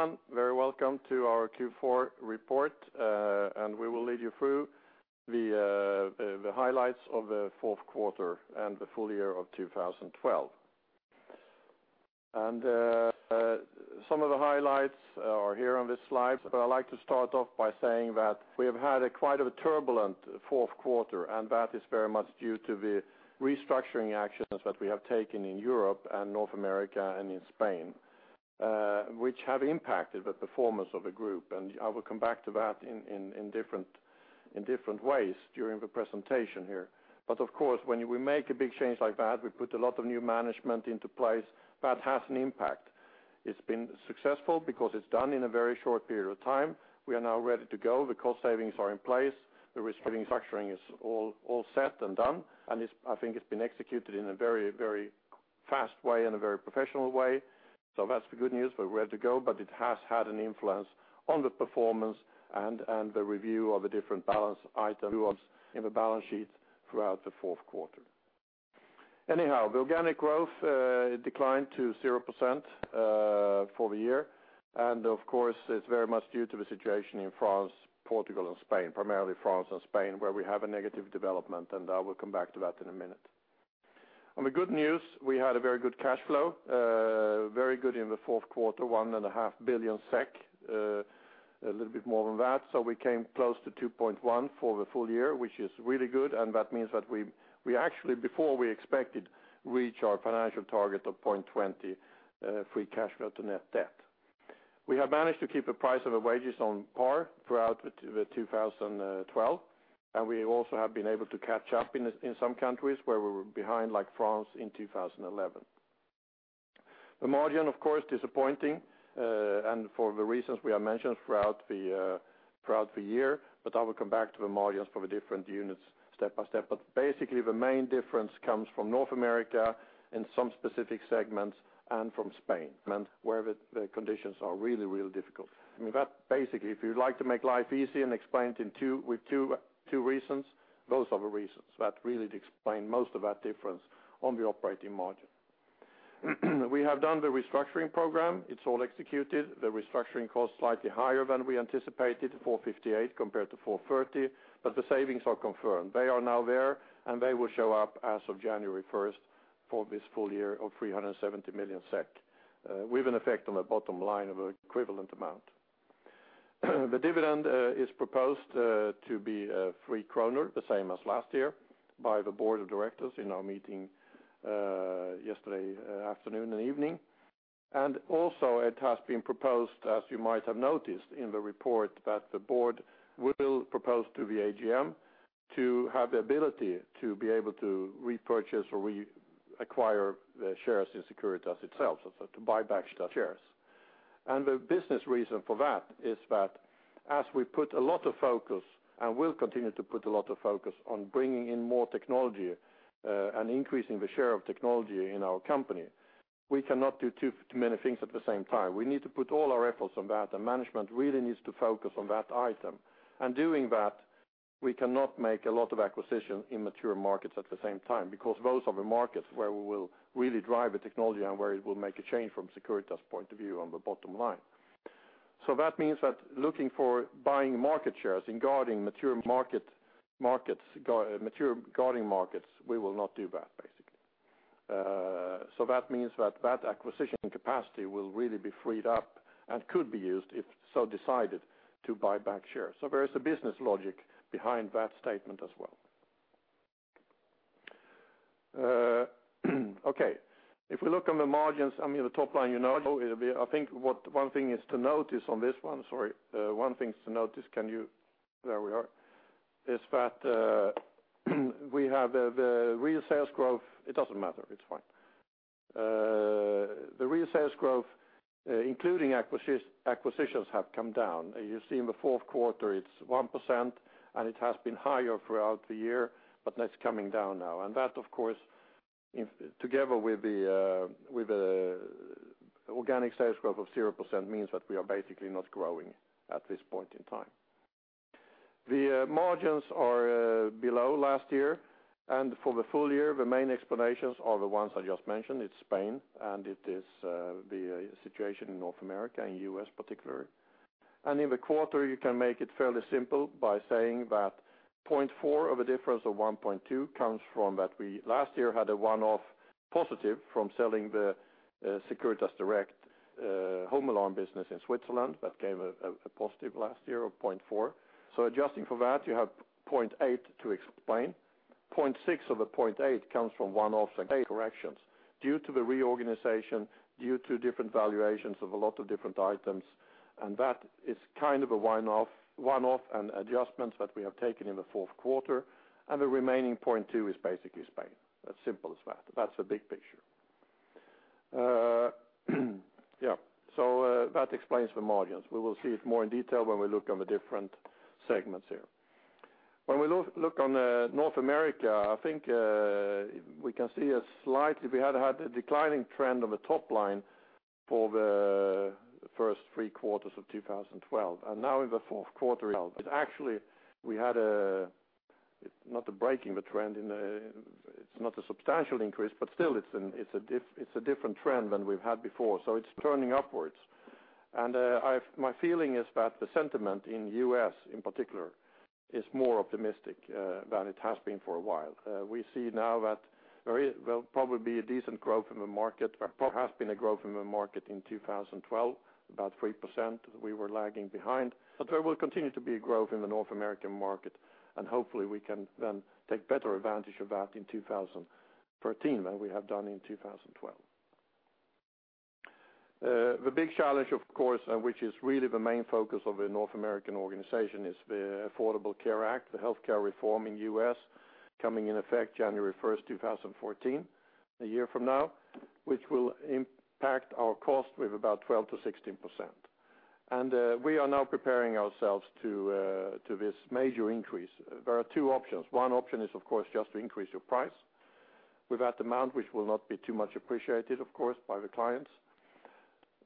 Good evening, everyone. Very welcome to our fourth quarter report, and we will lead you through the, the highlights of the fourth quarter and the full year of 2012. Some of the highlights are here on this slide, but I'd like to start off by saying that we have had a quite of a turbulent fourth quarter, and that is very much due to the restructuring actions that we have taken in Europe and North America and in Spain, which have impacted the performance of the group. I will come back to that in different ways during the presentation here. But of course, when we make a big change like that, we put a lot of new management into place. That has an impact. It's been successful because it's done in a very short period of time. We are now ready to go. The cost savings are in place. The restructuring is all, all set and done, and I think it's been executed in a very, very fast way and a very professional way. So that's the good news. We're ready to go, but it has had an influence on the performance and the review of the different balance items in the balance sheet throughout the fourth quarter. Anyhow, the organic growth declined to 0% for the year. And of course, it's very much due to the situation in France, Portugal, and Spain, primarily France and Spain, where we have a negative development, and I will come back to that in a minute. On the good news, we had a very good cash flow, very good in the fourth quarter, 1.5 billion SEK, a little bit more than that. So we came close to 2.1 billion for the full year, which is really good, and that means that we, we actually, before we expected, reach our financial target of 0.20, free cash flow to net debt. We have managed to keep the price of the wages on par throughout the 2012, and we also have been able to catch up in some countries where we were behind, like France in 2011. The margin, of course, disappointing, and for the reasons we have mentioned throughout the year, but I will come back to the margins for the different units step by step. But basically, the main difference comes from North America in some specific segments and from Spain, where the conditions are really, really difficult. I mean, that basically, if you'd like to make life easy and explain it with two reasons, those are the reasons that really explain most of that difference on the operating margin. We have done the restructuring program. It's all executed. The restructuring cost slightly higher than we anticipated, 458 million compared to 430 million, but the savings are confirmed. They are now there, and they will show up as of January first for this full 370 million SEK, with an effect on the bottom line of an equivalent amount. The dividend is proposed to 3 million kronor, the same as last year, by the board of directors in our meeting yesterday afternoon and evening. Also, it has been proposed, as you might have noticed in the report, that the board will propose to the AGM to have the ability to be able to repurchase or reacquire the shares in Securitas itself, to buy back the shares. The business reason for that is that as we put a lot of focus, and will continue to put a lot of focus on bringing in more technology and increasing the share of technology in our company, we cannot do too, too many things at the same time. We need to put all our efforts on that, and management really needs to focus on that item. Doing that, we cannot make a lot of acquisitions in mature markets at the same time, because those are the markets where we will really drive the technology and where it will make a change from Securitas point of view on the bottom line. So that means that looking for buying market shares and guarding mature markets, we will not do that, basically. So that means that that acquisition capacity will really be freed up and could be used, if so decided, to buy back shares. So there is a business logic behind that statement as well. Okay, if we look on the margins, I mean, the top line, you know, it'll be... I think one thing to notice is that we have the real sales growth. It doesn't matter. It's fine. The real sales growth, including acquisitions, have come down. You see in the fourth quarter, it's 1%, and it has been higher throughout the year, but that's coming down now. And that, of course, together with the organic sales growth of 0%, means that we are basically not growing at this point in time. The margins are below last year, and for the full year, the main explanations are the ones I just mentioned. It's Spain, and it is the situation in North America, in U.S. particularly. In the quarter, you can make it fairly simple by saying that 0.4 of a difference of 1.2 comes from that we last year had a one-off positive from selling the Securitas Direct home alarm business in Switzerland. That gave a positive last year of 0.4. So adjusting for that, you have 0.8 to explain. 0.6 of the 0.8 comes from one-offs and corrections due to the reorganization, due to different valuations of a lot of different items, and that is kind of a one-off, one-off and adjustments that we have taken in the fourth quarter, and the remaining 0.2 is basically Spain. As simple as that. That's the big picture. Yeah, so, that explains the margins. We will see it more in detail when we look on the different segments here. When we look on North America, I think we can see a slightly. We had had a declining trend on the top line for the first three quarters of 2012, and now in the fourth quarter, it's actually not a breaking the trend, it's not a substantial increase, but still it's a different trend than we've had before, so it's turning upwards. And, my feeling is that the sentiment in the U.S., in particular, is more optimistic than it has been for a while. We see now that there will probably be a decent growth in the market, or there has been a growth in the market in 2012, about 3%. We were lagging behind, but there will continue to be growth in the North American market, and hopefully, we can then take better advantage of that in 2013 than we have done in 2012. The big challenge, of course, and which is really the main focus of the North American organization, is the Affordable Care Act, the healthcare reform in the U.S., coming in effect January first, 2014, a year from now, which will impact our cost with about 12%-16%. We are now preparing ourselves to this major increase. There are two options. One option is, of course, just to increase your price. With that amount, which will not be too much appreciated, of course, by the clients.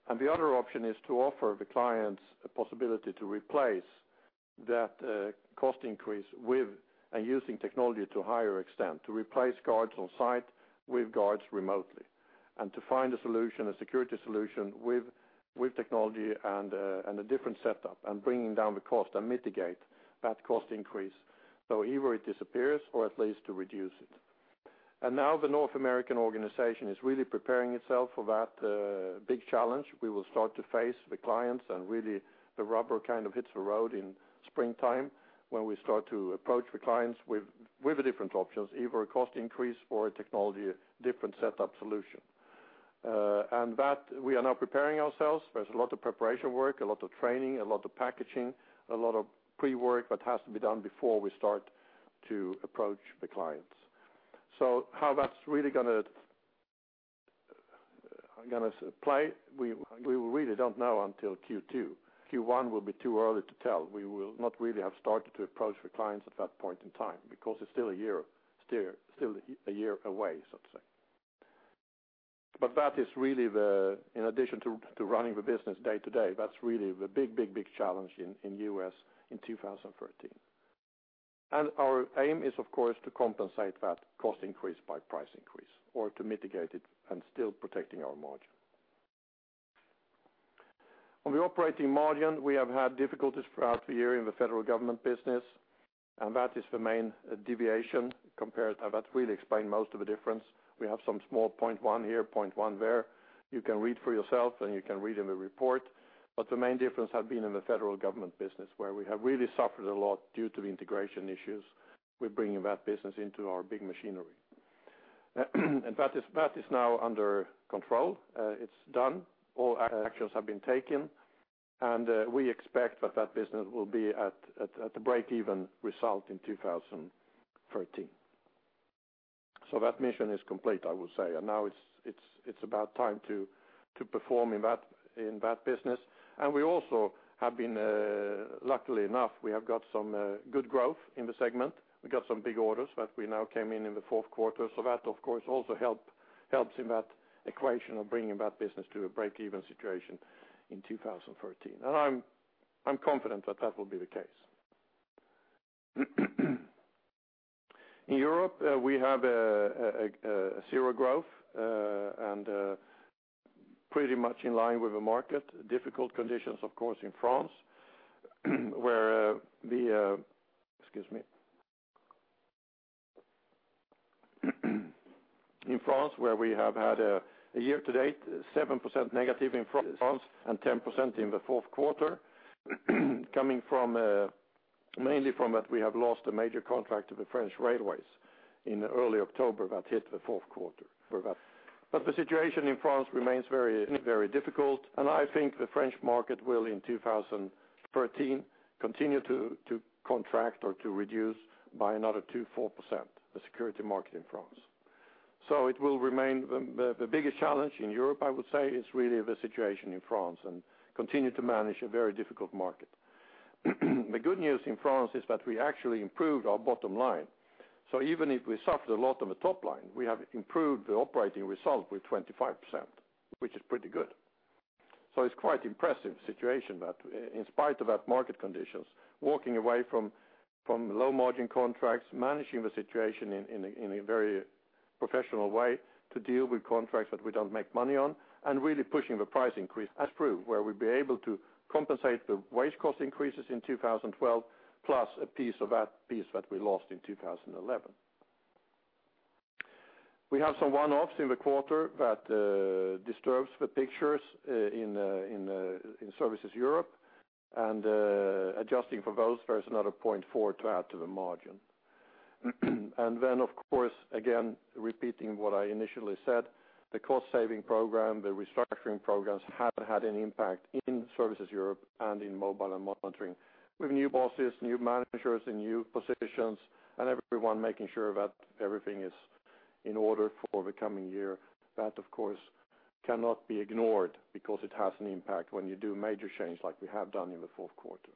The other option is to offer the clients a possibility to replace that cost increase with using technology to a higher extent, to replace guards on site with guards remotely, and to find a solution, a security solution, with technology and a different setup, and bringing down the cost and mitigate that cost increase. Either it disappears or at least to reduce it. Now the North American organization is really preparing itself for that big challenge. We will start to face the clients, and really, the rubber kind of hits the road in springtime when we start to approach the clients with the different options, either a cost increase or a technology different setup solution. That we are now preparing ourselves. There's a lot of preparation work, a lot of training, a lot of packaging, a lot of pre-work that has to be done before we start to approach the clients. So how that's really gonna play, we really don't know until second quarter. first quarter will be too early to tell. We will not really have started to approach the clients at that point in time, because it's still a year away, so to say. But that is really the, in addition to running the business day-to-day, that's really the big, big, big challenge in the U.S. in 2013. And our aim is, of course, to compensate that cost increase by price increase or to mitigate it and still protecting our margin. On the operating margin, we have had difficulties throughout the year in the federal government business, and that is the main deviation compared to... That really explained most of the difference. We have some small 0.1 here, 0.1 there. You can read for yourself, and you can read in the report. But the main difference have been in the federal government business, where we have really suffered a lot due to the integration issues with bringing that business into our big machinery. And that is now under control. It's done. All actions have been taken, and we expect that that business will be at a break-even result in 2013. So that mission is complete, I would say, and now it's about time to perform in that business. We also have been, luckily enough, we have got some good growth in the segment. We got some big orders that we now came in in the fourth quarter, so that, of course, also help, helps in that equation of bringing that business to a break-even situation in 2013. I'm confident that that will be the case. In Europe, we have a zero growth and pretty much in line with the market. Difficult conditions, of course, in France, where... Excuse me. In France, where we have had a year to date, 7% negative in France, and 10% in the fourth quarter, coming from, mainly from that we have lost a major contract to the French Railways in early October that hit the fourth quarter for that. But the situation in France remains very, very difficult, and I think the French market will, in 2013, continue to contract or to reduce by another 2%-4%, the security market in France. So it will remain the biggest challenge in Europe, I would say, is really the situation in France and continue to manage a very difficult market. The good news in France is that we actually improved our bottom line. So even if we suffered a lot on the top line, we have improved the operating result with 25%, which is pretty good. So it's quite impressive situation that in spite of that market conditions, walking away from low-margin contracts, managing the situation in a very professional way to deal with contracts that we don't make money on, and really pushing the price increase as proved, where we'll be able to compensate the wage cost increases in 2012, plus a piece of that piece that we lost in 2011. We have some one-offs in the quarter that disturbs the pictures in Services Europe, and adjusting for those, there's another 0.4 to add to the margin. And then, of course, again, repeating what I initially said, the cost-saving program, the restructuring programs have had an impact in Services Europe and in Mobile and Monitoring. With new bosses, new managers, and new positions, and everyone making sure that everything is in order for the coming year, that, of course, cannot be ignored because it has an impact when you do major change like we have done in the fourth quarter.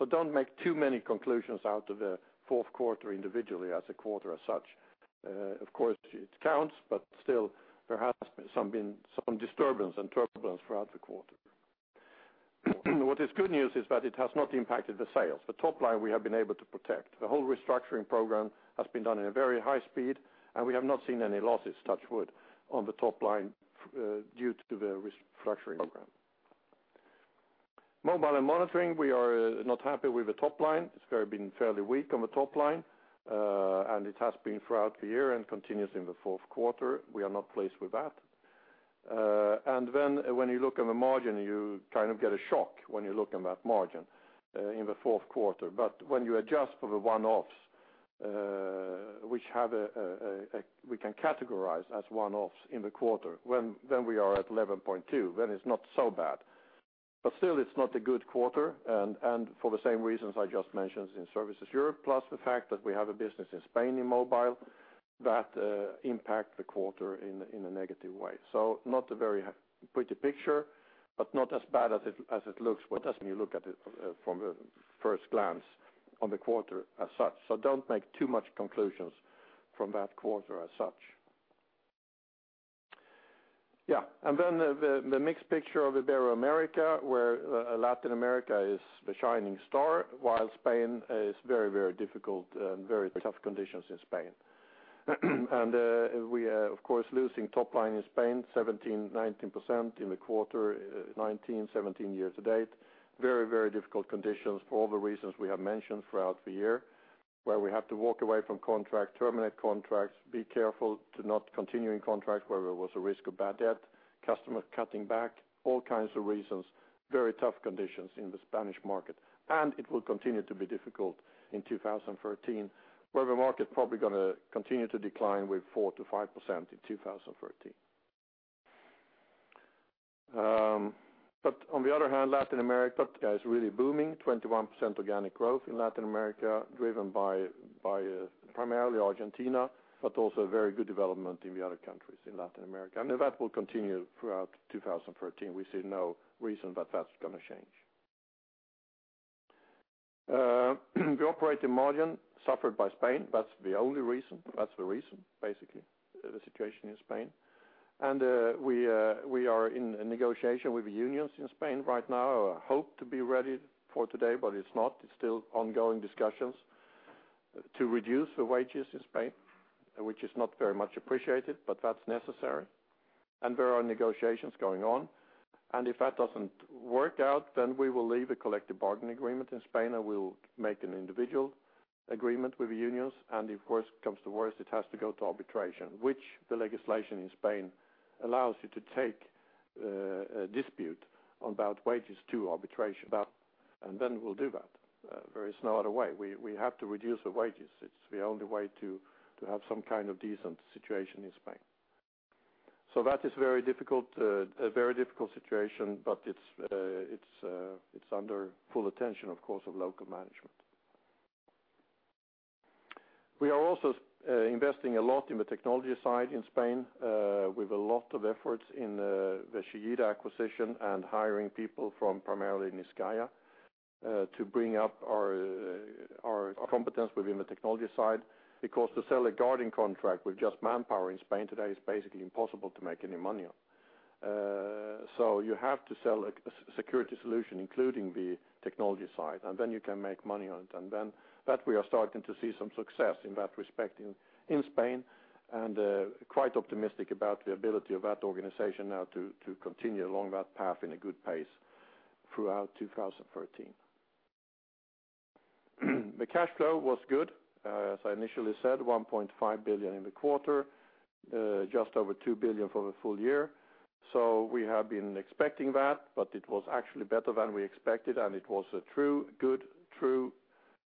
So don't make too many conclusions out of the fourth quarter individually as a quarter as such. Of course, it counts, but still, there has been some disturbance and turbulence throughout the quarter. What is good news is that it has not impacted the sales. The top line, we have been able to protect. The whole restructuring program has been done in a very high speed, and we have not seen any losses, touch wood, on the top line, due to the restructuring program. Mobile and Monitoring, we are not happy with the top line. It has been fairly weak on the top line, and it has been throughout the year and continues in the fourth quarter. We are not pleased with that. And then when you look at the margin, you kind of get a shock when you look at that margin in the fourth quarter. But when you adjust for the one-offs, which we can categorize as one-offs in the quarter, then we are at 11.2%, then it's not so bad. But still it's not a good quarter, and for the same reasons I just mentioned in Security Services Europe, plus the fact that we have a business in Spain in mobile that impacts the quarter in a negative way. So not a very pretty picture, but not as bad as it looks when you look at it from a first glance on the quarter as such. So don't make too much conclusions from that quarter as such. Yeah, and then the mixed picture of Ibero-America, where Latin America is the shining star, while Spain is very, very difficult and very tough conditions in Spain. And we are, of course, losing top line in Spain, 17%-19% in the quarter, 19%-17% year to date. Very, very difficult conditions for all the reasons we have mentioned throughout the year, where we have to walk away from contract, terminate contracts, be careful to not continue in contract where there was a risk of bad debt, customer cutting back, all kinds of reasons, very tough conditions in the Spanish market. And it will continue to be difficult in 2013, where the market probably gonna continue to decline with 4%-5% in 2013. But on the other hand, Latin America is really booming. 21% organic growth in Latin America, driven by primarily Argentina, but also very good development in the other countries in Latin America. And that will continue throughout 2013. We see no reason that that's gonna change. The operating margin suffered by Spain, that's the only reason. That's the reason, basically, the situation in Spain. And we are in a negotiation with the unions in Spain right now, hope to be ready for today, but it's not. It's still ongoing discussions to reduce the wages in Spain, which is not very much appreciated, but that's necessary. And there are negotiations going on. And if that doesn't work out, then we will leave a collective bargaining agreement in Spain, and we'll make an individual agreement with the unions, and if worse comes to worse, it has to go to arbitration, which the legislation in Spain allows you to take a dispute about wages to arbitration. That, and then we'll do that. There is no other way. We, we have to reduce the wages. It's the only way to, to have some kind of decent situation in Spain. So that is very difficult, a very difficult situation, but it's under full attention, of course, of local management. We are also investing a lot in the technology side in Spain, with a lot of efforts in the Chillida acquisition and hiring people from primarily Niscaya, to bring up our competence within the technology side. Because to sell a guarding contract with just manpower in Spain today is basically impossible to make any money on. So you have to sell a security solution, including the technology side, and then you can make money on it. And then that we are starting to see some success in that respect in Spain, and quite optimistic about the ability of that organization now to continue along that path in a good pace throughout 2013. The cash flow was good, as I initially said, 1.5 billion in the quarter, just over 2 billion for the full year. So we have been expecting that, but it was actually better than we expected, and it was a true, good, true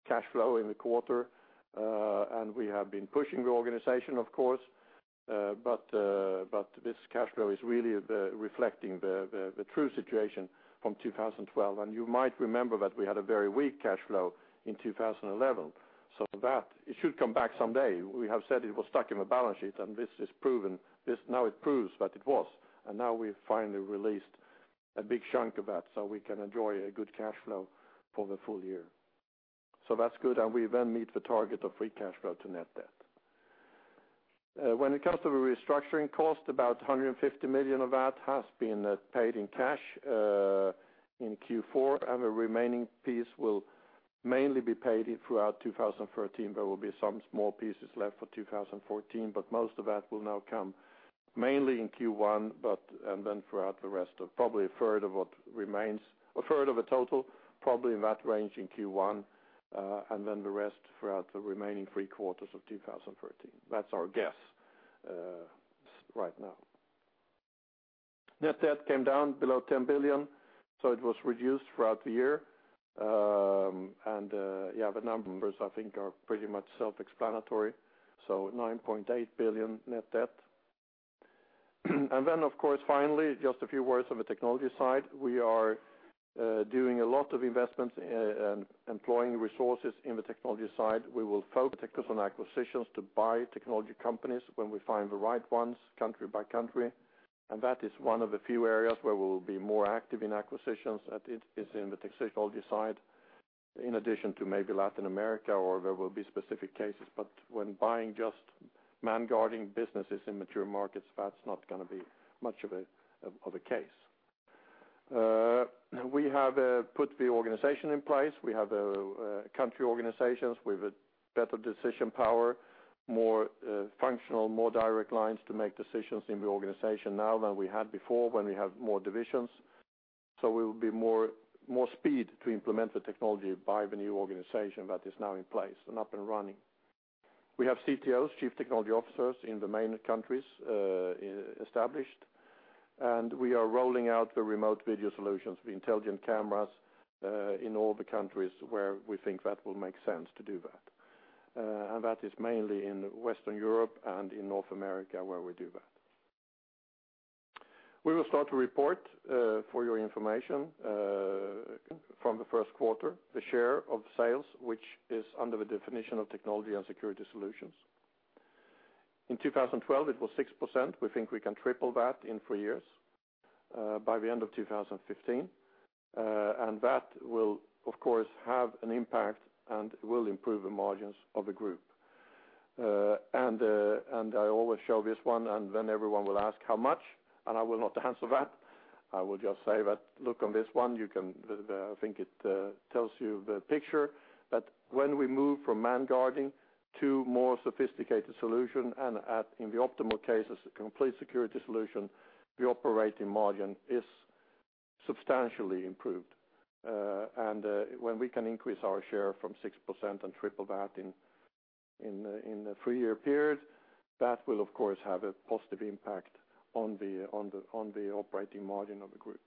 cash flow in the quarter. And we have been pushing the organization, of course, but this cash flow is really reflecting the true situation from 2012. And you might remember that we had a very weak cash flow in 2011. So that, it should come back someday. We have said it was stuck in the balance sheet, and this is proven. This now it proves that it was, and now we've finally released a big chunk of that, so we can enjoy a good cash flow for the full year. So that's good, and we then meet the target of free cash flow to net debt. When it comes to the restructuring cost, about 150 million of that has been paid in cash in fourth quarter, and the remaining piece will mainly be paid in throughout 2013. There will be some small pieces left for 2014, but most of that will now come mainly in first quarter, but and then throughout the rest of probably a third of what remains, a third of the total, probably in that range in first quarter, and then the rest throughout the remaining three quarters of 2013. That's our guess right now. Net debt came down below 10 billion, so it was reduced throughout the year. The numbers I think are pretty much self-explanatory, so 9.8 billion net debt. And then, of course, finally, just a few words on the technology side. We are doing a lot of investments and employing resources in the technology side. We will focus on acquisitions to buy technology companies when we find the right ones, country by country. That is one of the few areas where we'll be more active in acquisitions, and it is in the technology side... in addition to maybe Latin America or there will be specific cases, but when buying just man guarding businesses in mature markets, that's not going to be much of a case. We have put the organization in place. We have country organizations with a better decision power, more functional, more direct lines to make decisions in the organization now than we had before when we have more divisions. So we will be more speed to implement the technology by the new organization that is now in place and up and running. We have CTOs, Chief Technology Officers, in the main countries, established, and we are rolling out the remote video solutions, the intelligent cameras, in all the countries where we think that will make sense to do that. And that is mainly in Western Europe and in North America, where we do that. We will start to report, for your information, from the first quarter, the share of sales, which is under the definition of technology and security solutions. In 2012, it was 6%. We think we can triple that in three years, by the end of 2015. And that will, of course, have an impact and will improve the margins of the group. And I always show this one, and then everyone will ask how much, and I will not answer that. I will just say that look on this one, you can, I think it tells you the picture, that when we move from man guarding to more sophisticated solution and at, in the optimal cases, a complete security solution, the operating margin is substantially improved. And when we can increase our share from 6% and triple that in a three-year period, that will, of course, have a positive impact on the operating margin of the group.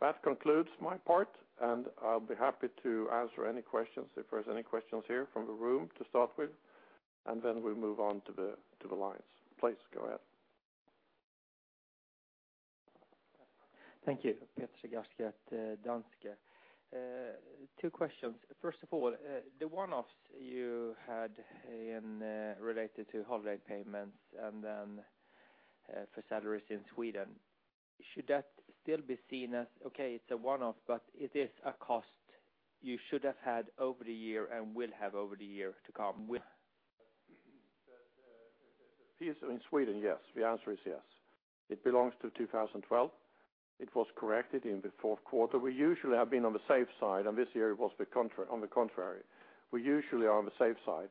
That concludes my part, and I'll be happy to answer any questions, if there's any questions here from the room to start with, and then we'll move on to the, to the lines. Please go ahead. Thank you, Peter Garske at Danske Bank. Two questions. First of all, the one-offs you had in related to holiday payments and then for salaries in Sweden, should that still be seen as, okay, it's a one-off, but it is a cost you should have had over the year and will have over the year to come with? The piece in Sweden, yes. The answer is yes. It belongs to 2012. It was corrected in the fourth quarter. We usually have been on the safe side, and this year it was the contrary, on the contrary. We usually are on the safe side,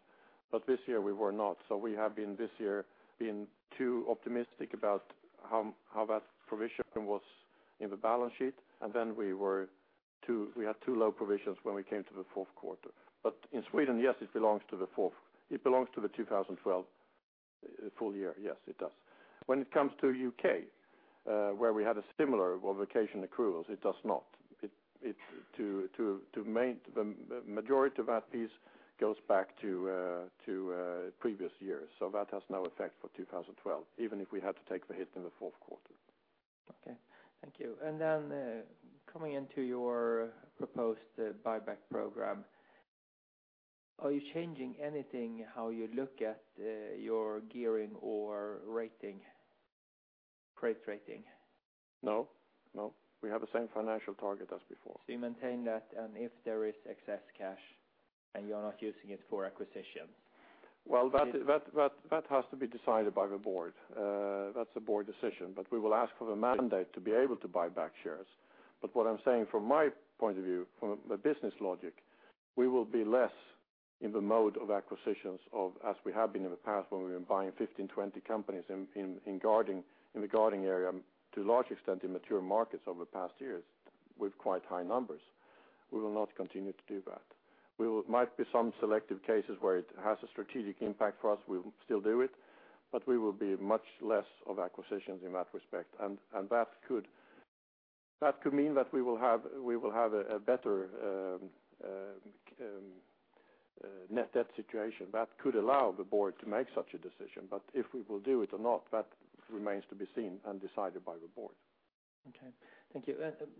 but this year we were not. So we have been, this year, been too optimistic about how, how that provision was in the balance sheet, and then we had too low provisions when we came to the fourth quarter. But in Sweden, yes, it belongs to the fourth. It belongs to the 2012 full year. Yes, it does. When it comes to U.K., where we had a similar, well, vacation accruals, it does not. It, the majority of that piece goes back to, previous years. So that has no effect for 2012, even if we had to take the hit in the fourth quarter. Okay. Thank you. And then, coming into your proposed buyback program, are you changing anything, how you look at, your gearing or rating, credit rating? No, no. We have the same financial target as before. You maintain that, and if there is excess cash and you're not using it for acquisitions? Well, that has to be decided by the board. That's a board decision, but we will ask for the mandate to be able to buy back shares. But what I'm saying from my point of view, from the business logic, we will be less in the mode of acquisitions as we have been in the past, when we've been buying 15, 20 companies in guarding, in the guarding area, to a large extent in mature markets over the past years with quite high numbers. We will not continue to do that. We will might be some selective cases where it has a strategic impact for us, we will still do it, but we will be much less of acquisitions in that respect. That could mean that we will have a better net debt situation. That could allow the board to make such a decision, but if we will do it or not, that remains to be seen and decided by the board. Okay. Thank you.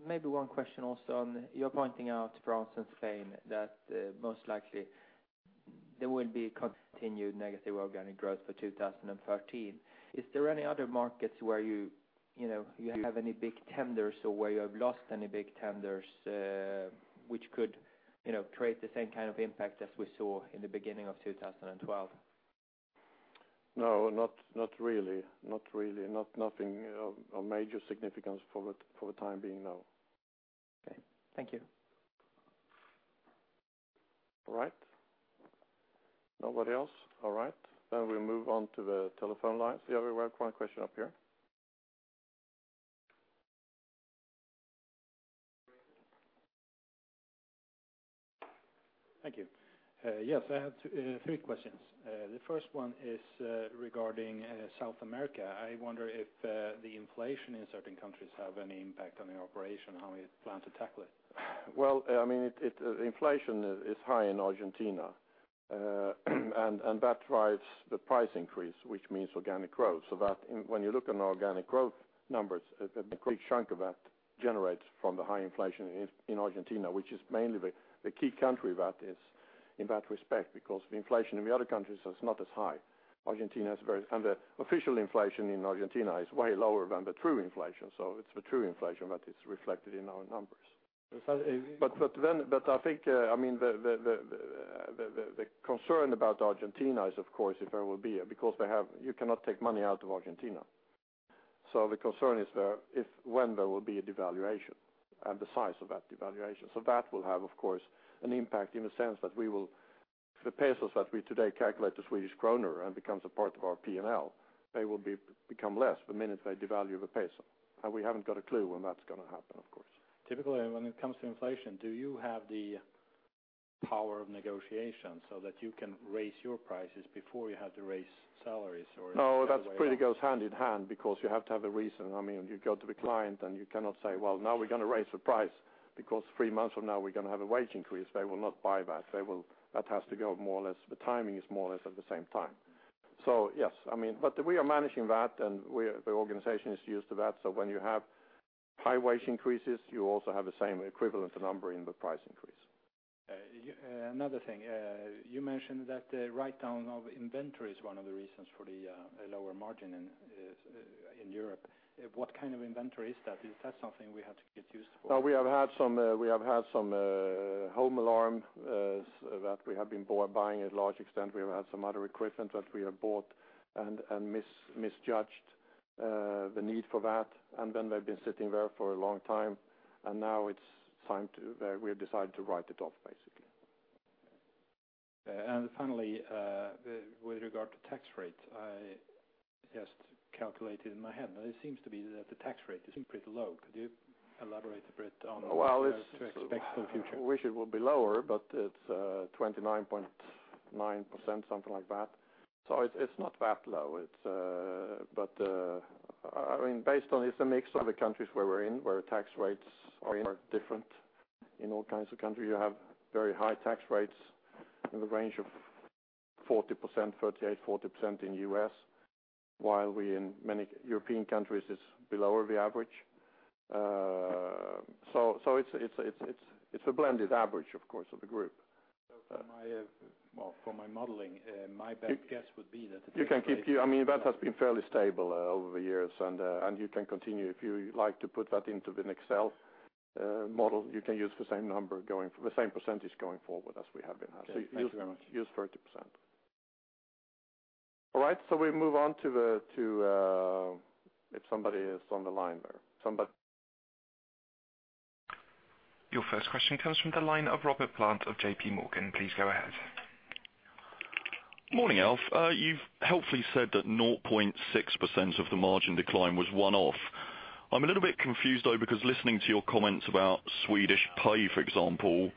Maybe one question also on your pointing out France and Spain, that most likely there will be continued negative organic growth for 2013. Is there any other markets where you, you know, you have any big tenders or where you have lost any big tenders, which could, you know, create the same kind of impact as we saw in the beginning of 2012? No, not really. Not really, nothing of major significance for the time being, no. Okay. Thank you. All right. Nobody else? All right. Then we move on to the telephone lines. Yeah, we have one question up here. Thank you. Yes, I have two, three questions. The first one is regarding South America. I wonder if the inflation in certain countries have any impact on the operation, how you plan to tackle it? Well, I mean, inflation is high in Argentina, and that drives the price increase, which means organic growth. So that when you look at organic growth numbers, a big chunk of that generates from the high inflation in Argentina, which is mainly the key country that is in that respect, because the inflation in the other countries is not as high. Argentina is very- and the official inflation in Argentina is way lower than the true inflation, so it's the true inflation that is reflected in our numbers. I think, I mean, the concern about Argentina is, of course, if there will be a-- because they have-- you cannot take money out of Argentina. So the concern is there, if when there will be a devaluation and the size of that devaluation. That will have, of course, an impact in the sense that we will, the pesos that we today calculate the Swedish krona and becomes a part of our P&L, they will become less the minute they devalue the peso. We haven't got a clue when that's going to happen, of course. Typically, when it comes to inflation, do you have the power of negotiation so that you can raise your prices before you have to raise salaries or? No, that pretty goes hand in hand because you have to have a reason. I mean, you go to the client, and you cannot say: "Well, now we're going to raise the price, because three months from now, we're going to have a wage increase." They will not buy that. They will. That has to go more or less, the timing is more or less at the same time. So yes, I mean, but we are managing that, and we are. The organization is used to that. So when you have high wage increases, you also have the same equivalent number in the price increase. Another thing, you mentioned that the write-down of inventory is one of the reasons for the lower margin in Europe. What kind of inventory is that? Is that something we have to get used for? We have had some home alarm that we have been buying at large extent. We have had some other equipment that we have bought and misjudged the need for that, and then they've been sitting there for a long time, and now it's time to, we've decided to write it off, basically. And finally, with regard to tax rate, I just calculated in my head, and it seems to be that the tax rate is pretty low. Could you elaborate a bit on- Well, it's- What to expect in the future? We wish it would be lower, but it's 29.9%, something like that. So it's not that low. It's but I mean, based on it's a mix of the countries where we're in, where tax rates are different. In all kinds of countries, you have very high tax rates in the range of 40%, 38%, 40% in the U.S., while we in many European countries, it's below the average. So it's a blended average, of course, of the group. Well, for my modeling, my best guess would be that- You can keep, I mean, that has been fairly stable over the years, and you can continue if you like to put that into an Excel model. You can use the same number going, the same percentage going forward as we have been having. Thank you very much. Use 30%. All right, so we move on to the if somebody is on the line there. Somebody- Your first question comes from the line of Robert Plant of J.P. Morgan. Please go ahead. Morning, Alf. You've helpfully said that 0.6% of the margin decline was one-off. I'm a little bit confused, though, because listening to your comments about Swedish pay, for example,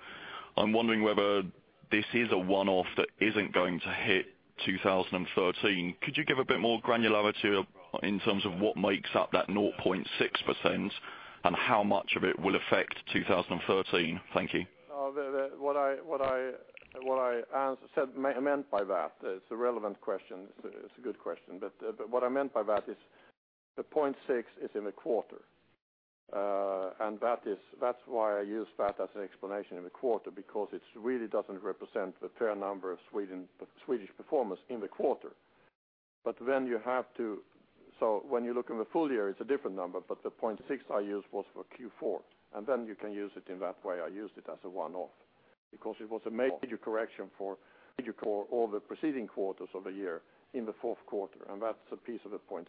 I'm wondering whether this is a one-off that isn't going to hit 2013. Could you give a bit more granularity in terms of what makes up that 0.6% and how much of it will affect 2013? Thank you. What I said, meant by that, it's a relevant question. It's a good question, but what I meant by that is the 0.6 is in a quarter, and that is—that's why I use that as an explanation in the quarter, because it really doesn't represent the fair number of Swedish performance in the quarter. But then you have to... So when you look in the full year, it's a different number, but the 0.6 I used was for fourth quarter, and then you can use it in that way. I used it as a one-off because it was a major correction for all the preceding quarters of the year in the fourth quarter, and that's a piece of the 0.6.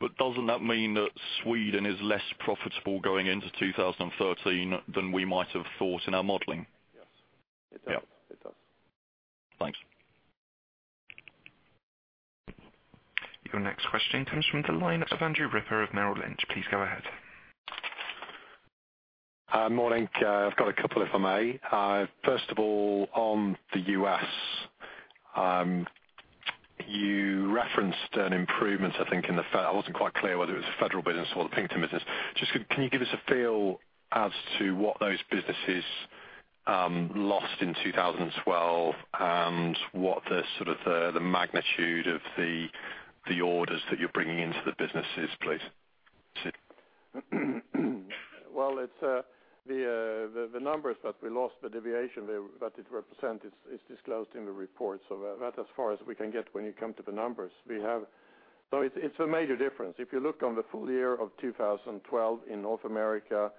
But doesn't that mean that Sweden is less profitable going into 2013 than we might have thought in our modeling? Yes, it does. Yeah. It does. Thanks. Your next question comes from the line of Andrew Ripper of Merrill Lynch. Please go ahead. Morning. I've got a couple, if I may. First of all, on the U.S., you referenced an improvement, I think, in the federal business. I wasn't quite clear whether it was the federal business or the Pinkerton business. Just could, can you give us a feel as to what those businesses lost in 2012, and what the, sort of the, the magnitude of the, the orders that you're bringing into the businesses, please? Well, it's the numbers that we lost, the deviation, that it represent, is disclosed in the report. So that as far as we can get when it come to the numbers. We have—So it's a major difference. If you look on the full year of 2012 in North America,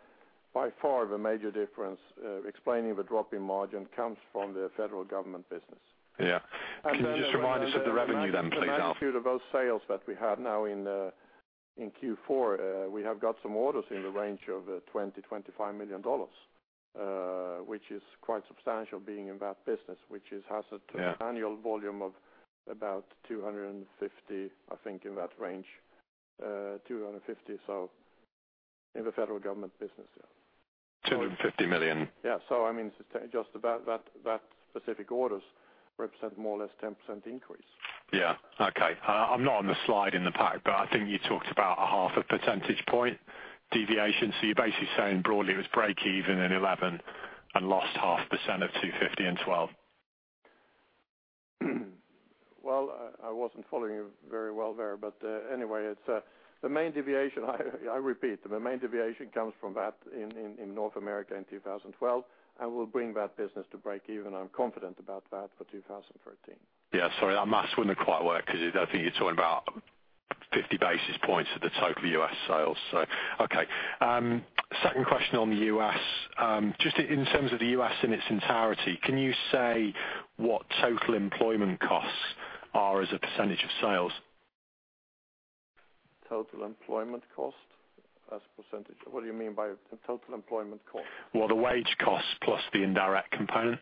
by far the major difference explaining the drop in margin comes from the federal government business. Yeah. And then- Can you just remind us of the revenue then, please, Alf? The magnitude of those sales that we have now in fourth quarter, we have got some orders in the range of $20 million-$25 million, which is quite substantial being in that business, which is, has a- Yeah... annual volume of about 250, I think, in that range, 250, so in the federal government business, yeah. 250 million? Yeah. So I mean, just about that, that specific orders represent more or less 10% increase. Yeah. Okay, I'm not on the slide in the pack, but I think you talked about a 0.5 percentage point deviation. So you're basically saying broadly it was break even in 2011 and lost 0.5% of %2.50 in 2012? ...Well, I wasn't following you very well there, but anyway, it's the main deviation, I repeat, the main deviation comes from that in North America in 2012, and we'll bring that business to break even. I'm confident about that for 2013. Yeah, sorry. Our math wouldn't quite work because I think you're talking about 50 basis points of the total U.S. sales. So, okay. Second question on the U.S. Just in terms of the U.S. in its entirety, can you say what total employment costs are as a percentage of sales? Total employment cost as a percentage? What do you mean by the total employment cost? Well, the wage cost plus the indirect component.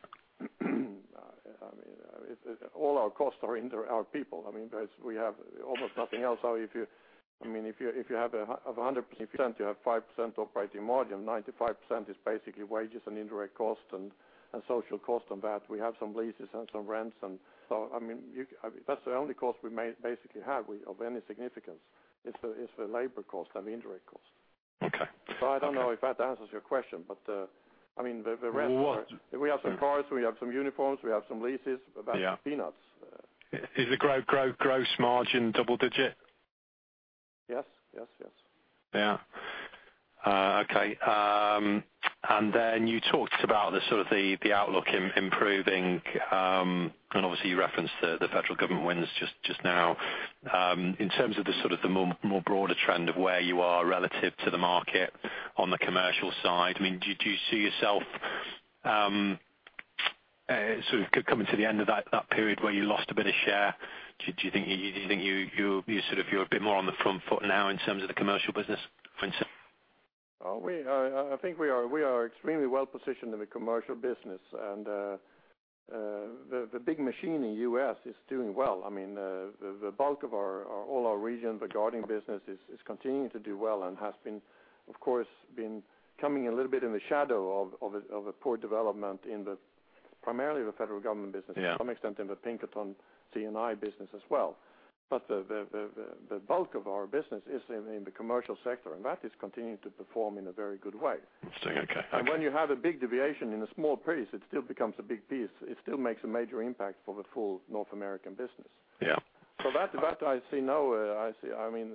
I mean, it all our costs are in our people. I mean, there's, we have almost nothing else. So if you, I mean, if you have 100%, you have 5% operating margin, 95% is basically wages and indirect costs and social costs, and that we have some leases and some rents, and so, I mean, you... That's the only cost we basically have, of any significance, is the labor cost and the indirect cost. Okay. So I don't know if that answers your question, but, I mean, the rest- Well, what- We have some cars, we have some uniforms, we have some leases. Yeah. But that's peanuts. Is the gross margin double digit? Yes, yes, yes. Yeah. Okay. And then you talked about the outlook improving, and obviously, you referenced the federal government wins just now. In terms of the broader trend of where you are relative to the market on the commercial side, I mean, do you see yourself sort of coming to the end of that period where you lost a bit of share? Do you think you sort of you're a bit more on the front foot now in terms of the commercial business mindset? Oh, I think we are extremely well positioned in the commercial business, and the big machine in the U.S. is doing well. I mean, the bulk of our all our regions, the guarding business is continuing to do well and has been, of course, coming a little bit in the shadow of a poor development in primarily the federal government business- Yeah. -to some extent, in the Pinkerton C&I business as well. But the bulk of our business is in the commercial sector, and that is continuing to perform in a very good way. It's doing okay. When you have a big deviation in a small piece, it still becomes a big piece. It still makes a major impact for the full North American business. Yeah. So that I see now, I mean,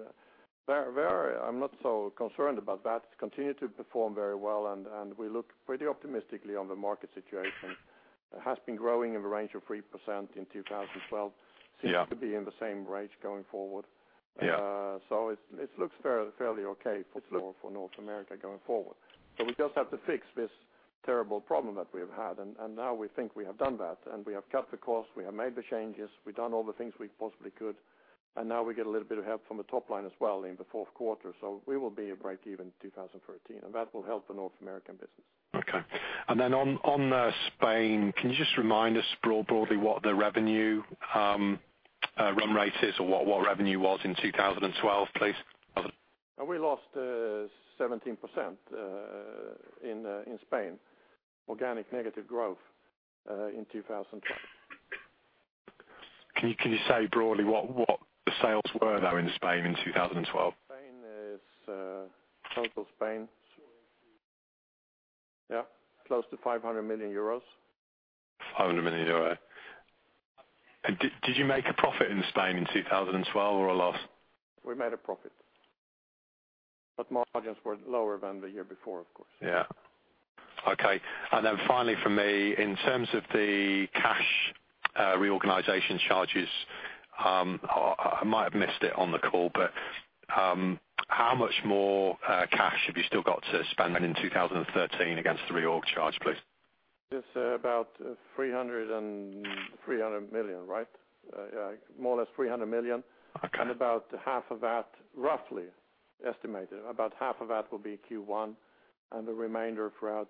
very, very, I'm not so concerned about that. Continue to perform very well, and we look pretty optimistically on the market situation. It has been growing in the range of 3% in 2012. Yeah. Seem to be in the same range going forward. Yeah. So it looks fairly okay for North America going forward. So we just have to fix this terrible problem that we've had, and now we think we have done that, and we have cut the cost, we have made the changes, we've done all the things we possibly could, and now we get a little bit of help from the top line as well in the fourth quarter. So we will be at break even 2013, and that will help the North American business. Okay. And then on Spain, can you just remind us broadly what the revenue run rate is or what revenue was in 2012, please? We lost 17% in Spain. Organic negative growth in 2012. Can you say broadly what the sales were, though, in Spain in 2012? Spain is total Spain... Yeah, close to 500 million euros. 500 million euros. Did you make a profit in Spain in 2012 or a loss? We made a profit, but margins were lower than the year before, of course. Yeah. Okay, and then finally for me, in terms of the cash, reorganization charges, I might have missed it on the call, but, how much more cash have you still got to spend in 2013 against the reorg charge, please? sek 300 million, right? yeah, more less sek 300 million. Okay. About half of that, roughly estimated, about half of that will be first quarter, and the remainder throughout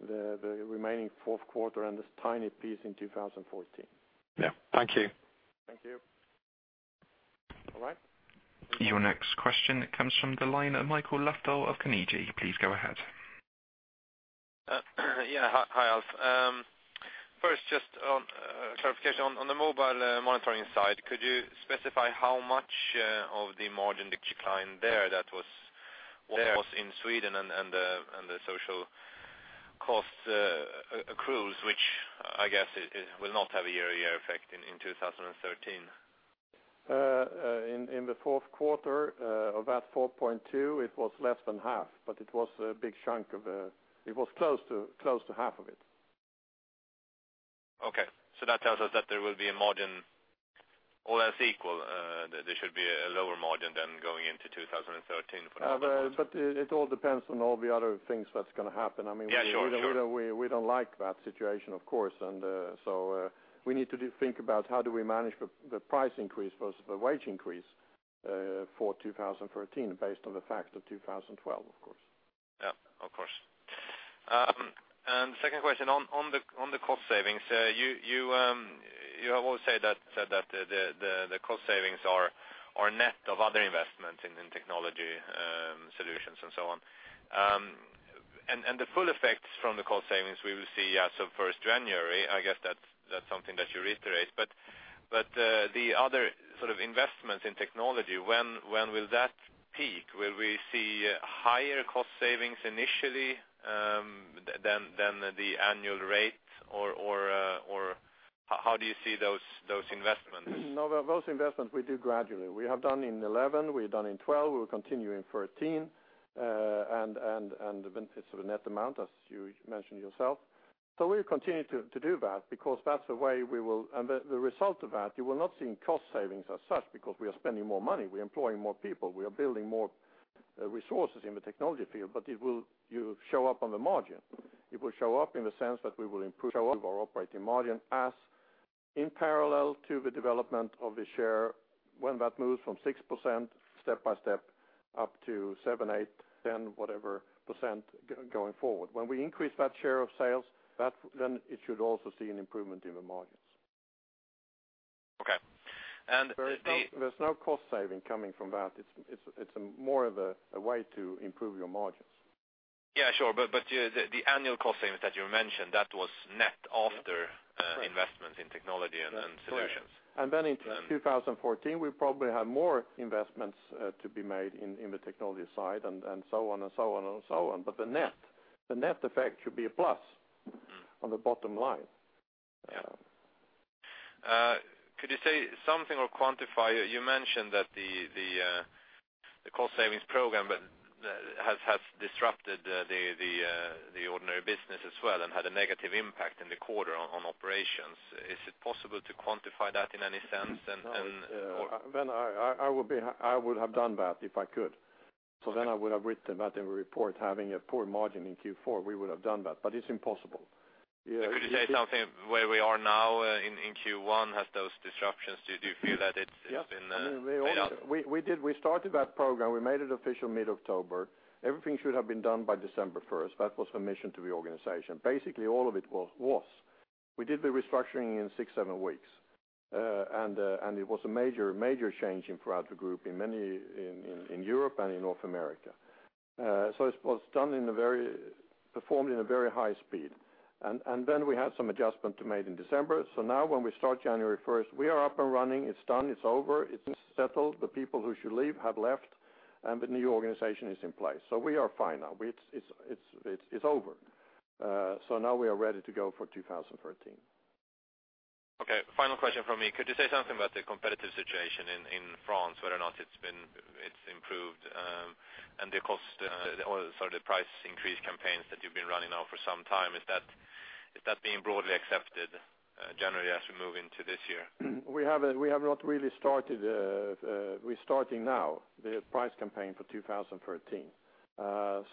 the remaining fourth quarter and this tiny piece in 2014. Yeah. Thank you. Thank you. All right. Your next question comes from the line of Mikael Laséen of Carnegie. Please go ahead. Yeah, hi, hi, Alf. First, just on clarification on the mobile monitoring side, could you specify how much of the margin decline there that was, what was in Sweden and the social costs accrues, which I guess will not have a year-to-year effect in 2013? In the fourth quarter of that 4.2, it was less than half, but it was a big chunk of it. It was close to, close to half of it. Okay. That tells us that there will be a margin, all else equal, there should be a lower margin than going into 2013 for that- But it all depends on all the other things that's going to happen. I mean- Yeah, sure. We don't like that situation, of course, and so we need to think about how do we manage the price increase versus the wage increase for 2013, based on the fact of 2012, of course. Yeah, of course. And second question on the cost savings, you have always said that the cost savings are net of other investments in technology solutions and so on. And the full effects from the cost savings we will see as of first January, I guess that's something that you reiterate. But the other sort of investments in technology, when will that peak? Will we see higher cost savings initially than the annual rate or how do you see those investments? No, those investments we do gradually. We have done in 2011, we've done in 2012, we will continue in 2013. And the benefits of a net amount, as you mentioned yourself. So we'll continue to do that because that's the way we will and the result of that, you will not see in cost savings as such, because we are spending more money, we are employing more people, we are building more resources in the technology field, but it will you show up on the margin. It will show up in the sense that we will improve our operating margin as in parallel to the development of the share, when that moves from 6% step by step, up to 7%, 8%, 10%, whatever % going forward. When we increase that share of sales, then it should also see an improvement in the margins. Okay. There's no cost saving coming from that. It's more of a way to improve your margins. Yeah, sure. But the annual cost savings that you mentioned, that was net after- Yeah. investments in technology and solutions. Then in 2014, we probably have more investments to be made in the technology side, and, and so on, and so on, and so on. But the net, the net effect should be a plus- Mm. on the bottom line. Yeah. Could you say something or quantify? You mentioned that the cost savings program but has disrupted the ordinary business as well, and had a negative impact in the quarter on operations. Is it possible to quantify that in any sense, and, and- Well, I would have done that if I could. So then I would have written that in the report, having a poor margin in fourth quarter, we would have done that, but it's impossible. Yeah- Could you say something where we are now in, in first quarter? Has those disruptions, do you feel that it's- Yeah. -been, made up? We did, we started that program. We made it official mid-October. Everything should have been done by December first. That was the mission to the organization. Basically, all of it was. We did the restructuring in six, seven weeks. And it was a major change throughout the group, in many in Europe and in North America. So it was performed in a very high speed. And then we had some adjustment to made in December. So now when we start January first, we are up and running. It's done, it's over, it's settled. The people who should leave have left, and the new organization is in place. So we are fine now. It's over. So now we are ready to go for 2013. Okay, final question from me. Could you say something about the competitive situation in France, whether or not it's been, it's improved, and the cost, or sorry, the price increase campaigns that you've been running now for some time, is that being broadly accepted, generally as we move into this year? We have not really started. We're starting now the price campaign for 2013.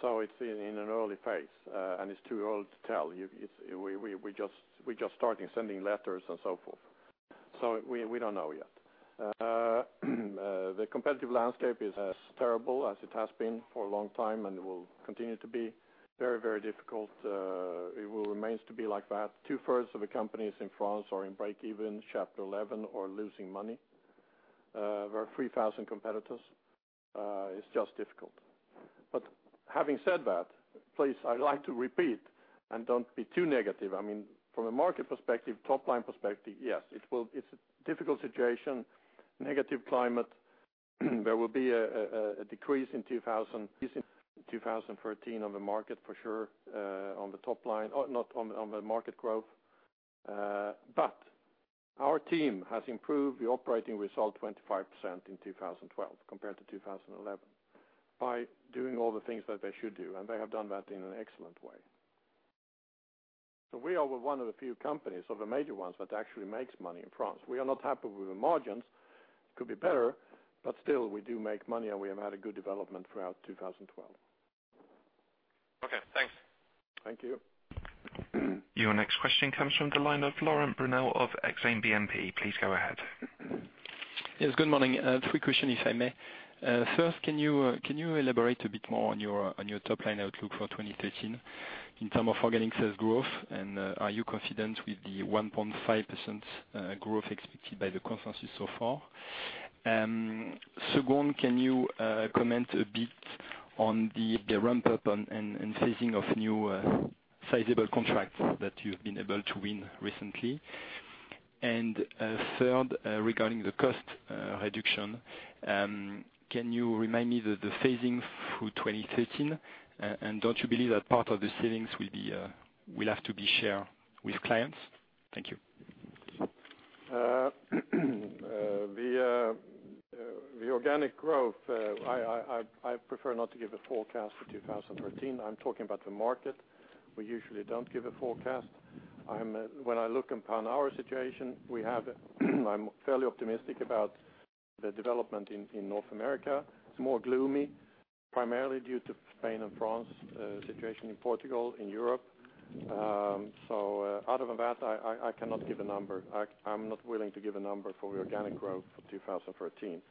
So it's in an early phase, and it's too early to tell. We just starting sending letters and so forth. So we don't know yet. The competitive landscape is as terrible as it has been for a long time, and will continue to be very, very difficult. It will remains to be like that. Two-thirds of the companies in France are in breakeven, Chapter 11, or losing money. There are 3,000 competitors, it's just difficult. But having said that, please, I'd like to repeat and don't be too negative. I mean, from a market perspective, top line perspective, yes, it will—it's a difficult situation, negative climate. There will be a decrease in 2013 on the market for sure, on the top line, or not on the market growth. But our team has improved the operating result 25% in 2012 compared to 2011, by doing all the things that they should do, and they have done that in an excellent way. So we are one of the few companies, or the major ones, that actually makes money in France. We are not happy with the margins, could be better, but still, we do make money, and we have had a good development throughout 2012. Okay, thanks. Thank you. Your next question comes from the line of Laurent Brunelle of Exane BNP. Please go ahead. Yes, good morning. Three questions, if I may. First, can you elaborate a bit more on your top line outlook for 2013, in terms of organic sales growth, and are you confident with the 1.5% growth expected by the consensus so far? Second, can you comment a bit on the ramp up and phasing of new sizable contracts that you've been able to win recently? And third, regarding the cost reduction, can you remind me the phasing through 2013? And don't you believe that part of the savings will have to be shared with clients? Thank you. The organic growth, I prefer not to give a forecast for 2013. I'm talking about the market. We usually don't give a forecast. When I look upon our situation, we have, I'm fairly optimistic about the development in North America. It's more gloomy, primarily due to Spain and France, situation in Portugal, in Europe. So, out of that, I cannot give a number. I'm not willing to give a number for the organic growth for 2013.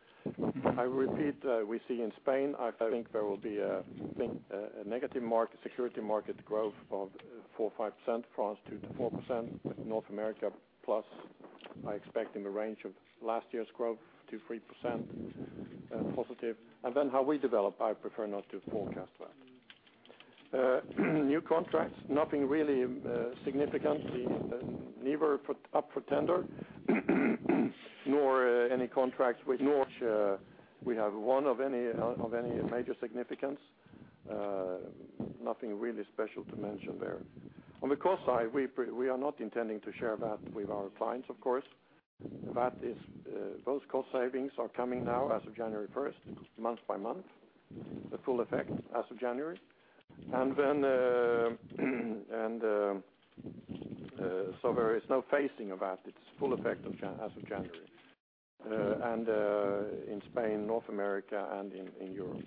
I repeat, we see in Spain, I think there will be a negative market, security market growth of 4%-5%, France 2%-4%, North America plus, I expect in the range of last year's growth, 2%-3%, positive. Then how we develop, I prefer not to forecast that. New contracts, nothing really significant. We never put up for tender, nor any contracts with Norway. We have one of any, of any major significance, nothing really special to mention there. On the cost side, we are not intending to share that with our clients, of course. That is, those cost savings are coming now as of January first, month by month, the full effect as of January. And then, and, so there is no phasing of that. It's full effect as of January, and, in Spain, North America, and in Europe.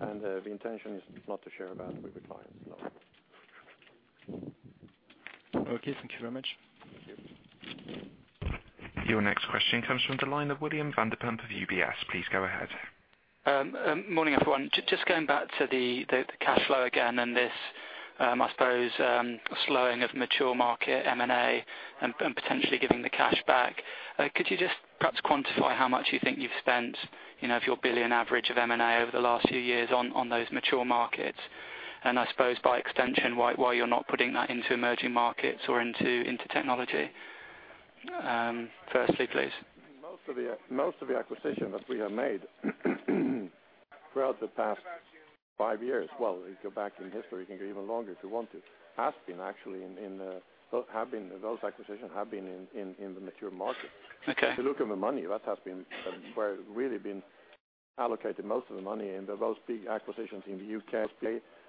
And, the intention is not to share that with the clients, no. Okay, thank you very much. Your next question comes from the line of Will Vanderpump of UBS. Please go ahead. Morning, everyone. Just going back to the cash flow again and this, I suppose, slowing of mature market M&A and potentially giving the cash back. Could you just perhaps quantify how much you think you've spent, you know, of your billion average of M&A over the last few years on those mature markets? I suppose, by extension, why you're not putting that into emerging markets or into technology, firstly, please. Most of the acquisitions that we have made throughout the past five years, well, if you go back in history, you can go even longer if you want to, have actually been in the mature market. Okay. If you look at the money, that has been where really been allocated most of the money in the most big acquisitions in the U.K.,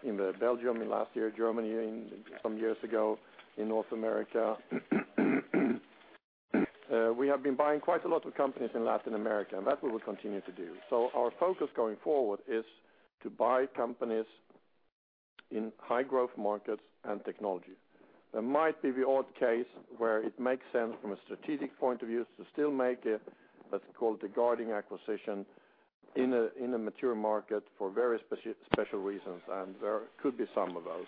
in the Belgium in last year, Germany in some years ago, in North America. We have been buying quite a lot of companies in Latin America, and that we will continue to do. So our focus going forward is to buy companies in high-growth markets and technology. There might be the odd case where it makes sense from a strategic point of view to still make it, let's call it the guarding acquisition, in a mature market for very special reasons, and there could be some of those.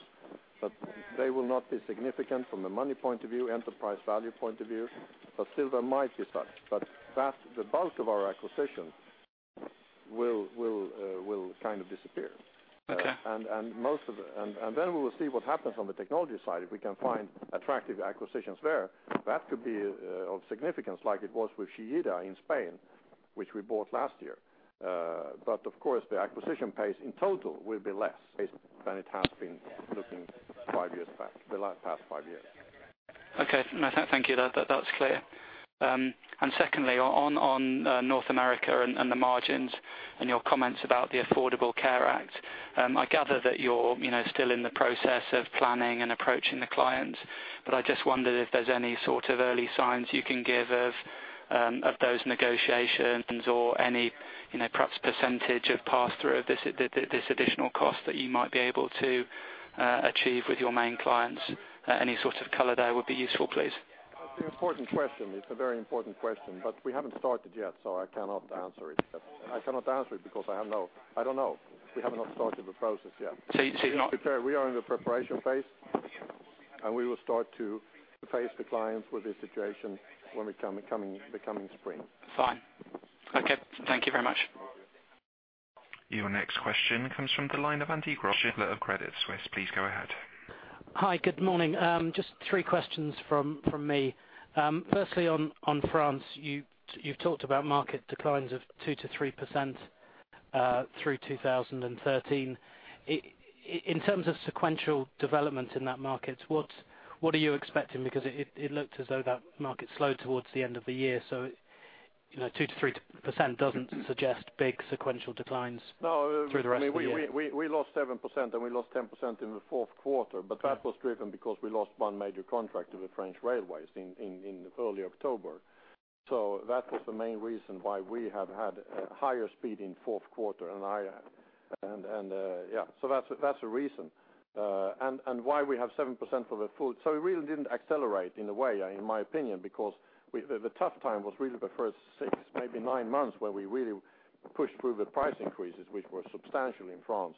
But they will not be significant from a money point of view, enterprise value point of view, but still there might be such. But that, the bulk of our acquisitions will kind of disappear. Okay. Then we will see what happens on the technology side. If we can find attractive acquisitions there, that could be of significance like it was with Chillida in Spain, which we bought last year. But of course, the acquisition pace in total will be less than it has been looking five years back, the last past five years. Okay. No, thank you. That's clear. And secondly, on North America and the margins and your comments about the Affordable Care Act, I gather that you're, you know, still in the process of planning and approaching the clients, but I just wondered if there's any sort of early signs you can give of those negotiations or any, you know, perhaps percentage of pass-through of this additional cost that you might be able to achieve with your main clients. Any sort of color there would be useful, please. That's an important question. It's a very important question, but we haven't started yet, so I cannot answer it. I cannot answer it because I don't know. We have not started the process yet. So, you're not- We are in the preparation phase, and we will start to face the clients with this situation when we come the coming spring. Fine. Okay. Thank you very much. Your next question comes from the line of Andy Groch of Credit Suisse. Please go ahead. Hi, good morning. Just three questions from me. Firstly, on France, you've talked about market declines of 2%-3% through 2013. In terms of sequential development in that market, what are you expecting? Because it looked as though that market slowed towards the end of the year, so, you know, 2%-3% doesn't suggest big sequential declines. No through the rest of the year. We lost 7%, and we lost 10% in the fourth quarter, but that was driven because we lost one major contract with the French Railways in early October. So that was the main reason why we have had a higher speed in fourth quarter and higher. And yeah, so that's the reason. And why we have 7% for the full... So we really didn't accelerate in a way, in my opinion, because the tough time was really the first six, maybe nine months, where we really pushed through the price increases, which were substantial in France.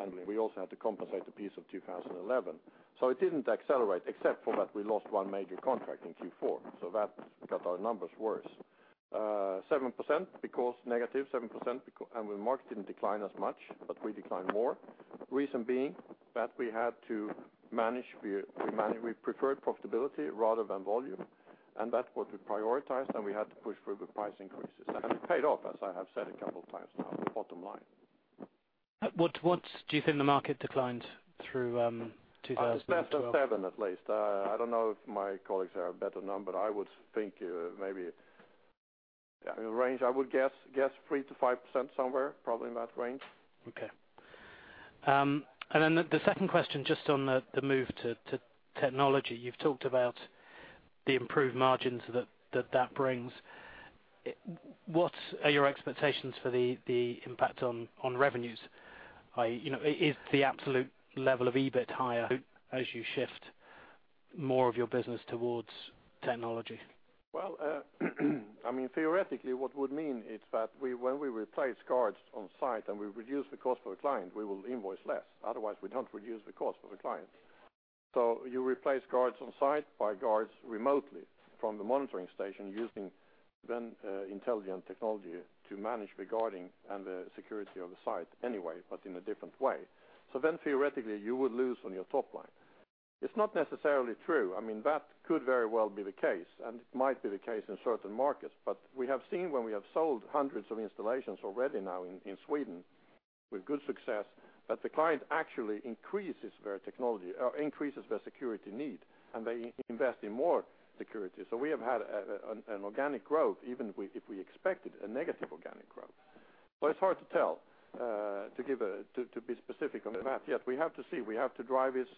And we also had to compensate a piece of 2011. So it didn't accelerate, except for that we lost one major contract in fourth quarter, so that got our numbers worse. 7% because 7%, and the market didn't decline as much, but we declined more. Reason being that we had to manage, we preferred profitability rather than volume, and that's what we prioritized, and we had to push through the price increases. And it paid off, as I have said a couple times now, bottom line. What do you think the market declined through 2012? It's less than 7%, at least. I don't know if my colleagues have a better number. I would think, maybe, yeah, in range, I would guess 3%-5% somewhere, probably in that range. Okay. And then the second question, just on the move to technology. You've talked about the improved margins that brings. What are your expectations for the impact on revenues? You know, is the absolute level of EBIT higher as you shift more of your business towards technology? Well, I mean, theoretically, what it would mean is that we, when we replace guards on site and we reduce the cost for the client, we will invoice less. Otherwise, we don't reduce the cost for the client. So you replace guards on site by guards remotely from the monitoring station using then, intelligent technology to manage the guarding and the security of the site anyway, but in a different way. So then theoretically, you would lose on your top line. It's not necessarily true. I mean, that could very well be the case, and it might be the case in certain markets. But we have seen when we have sold hundreds of installations already now in Sweden with good success, that the client actually increases their technology or increases their security need, and they invest in more security. So we have had an organic growth, even if we expected a negative organic growth. But it's hard to tell to be specific on that. Yet, we have to see. We have to drive this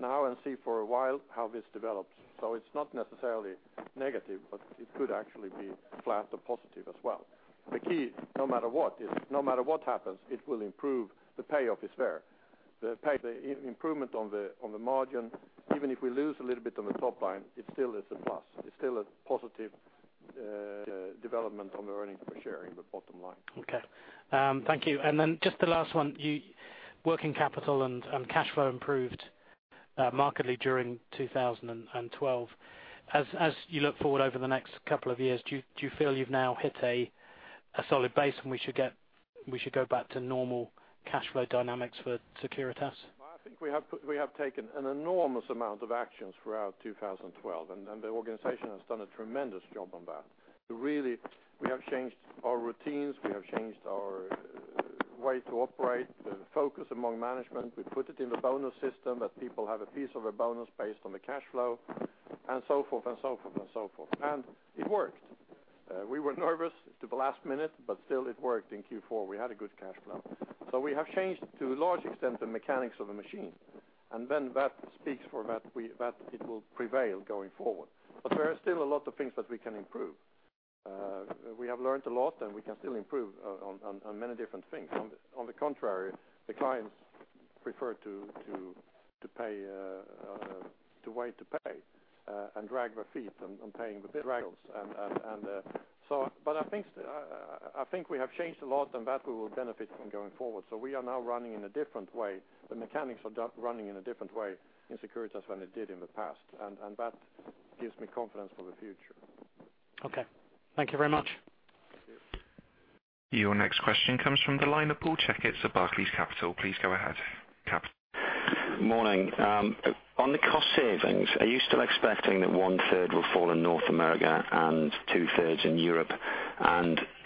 now and see for a while how this develops. So it's not necessarily negative, but it could actually be flat or positive as well. The key, no matter what, is no matter what happens, it will improve the payoff is there. The pay, the improvement on the margin, even if we lose a little bit on the top line, it still is a plus. It's still a positive development on the earnings per share in the bottom line. Okay, thank you. And then just the last one, your working capital and cash flow improved markedly during 2012. As you look forward over the next couple of years, do you feel you've now hit a solid base, and we should go back to normal cash flow dynamics for Securitas? I think we have taken an enormous amount of actions throughout 2012, and, and the organization has done a tremendous job on that. Really, we have changed our routines, we have changed our way to operate, the focus among management. We put it in the bonus system, that people have a piece of a bonus based on the cash flow, and so forth and so forth and so forth. It worked. We were nervous to the last minute, but still, it worked in fourth quarter. We had a good cash flow. So we have changed, to a large extent, the mechanics of the machine, and then that speaks for that, we, that it will prevail going forward. But there are still a lot of things that we can improve. We have learned a lot, and we can still improve on many different things. On the contrary, the clients prefer to wait to pay and drag their feet on paying the bills. So, but I think we have changed a lot, and that we will benefit from going forward. So we are now running in a different way. The mechanics are running in a different way in Securitas than it did in the past, and that gives me confidence for the future. Okay, thank you very much. Your next question comes from the line of Paul Checketts at Barclays Capital. Please go ahead, Paul. Morning. On the cost savings, are you still expecting that one-third will fall in North America and two-thirds in Europe?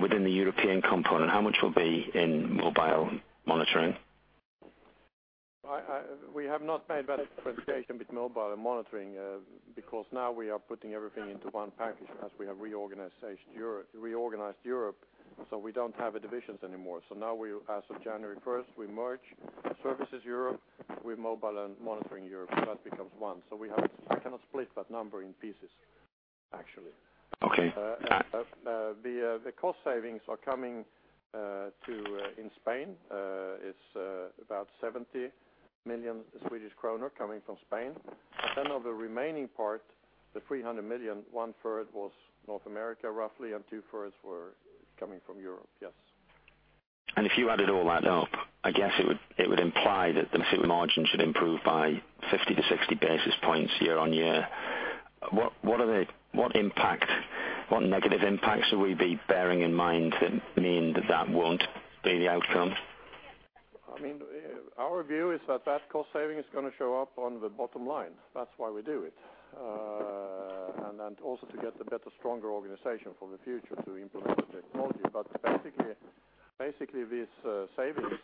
Within the European component, how much will be in mobile monitoring? We have not made that presentation with Mobile and Monitoring because now we are putting everything into one package as we have reorganized Europe, so we don't have divisions anymore. So now we, as of January first, we merge Services Europe with Mobile and Monitoring Europe. That becomes one, so we have, I cannot split that number in pieces, actually. Okay. The cost savings are coming, too, in Spain. It's about 70 million Swedish kronor coming from Spain. Then of the sek 300 million, one-third was North America, roughly, and two-thirds were coming from Europe, yes. If you added all that up, I guess it would, it would imply that the margin should improve by 50-60 basis points year-on-year. What, what are the—what impact, what negative impacts should we be bearing in mind to mean that that won't be the outcome? I mean, our view is that that cost saving is gonna show up on the bottom line. That's why we do it. And also to get a better, stronger organization for the future to implement the technology. But basically, these savings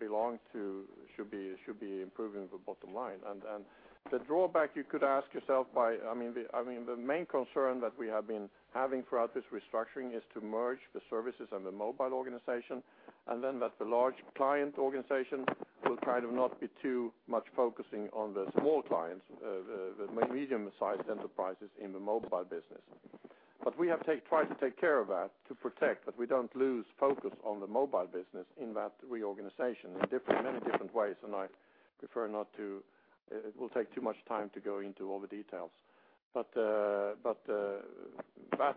belong to—should be, should be improving the bottom line. And the drawback you could ask yourself by—I mean, the main concern that we have been having throughout this restructuring is to merge the services and the mobile organization, and then that the large client organization will kind of not be too much focusing on the small clients, the medium-sized enterprises in the mobile business. But we have tried to take care of that, to protect that we don't lose focus on the mobile business in that reorganization in many different ways, and I prefer not to. It will take too much time to go into all the details. But that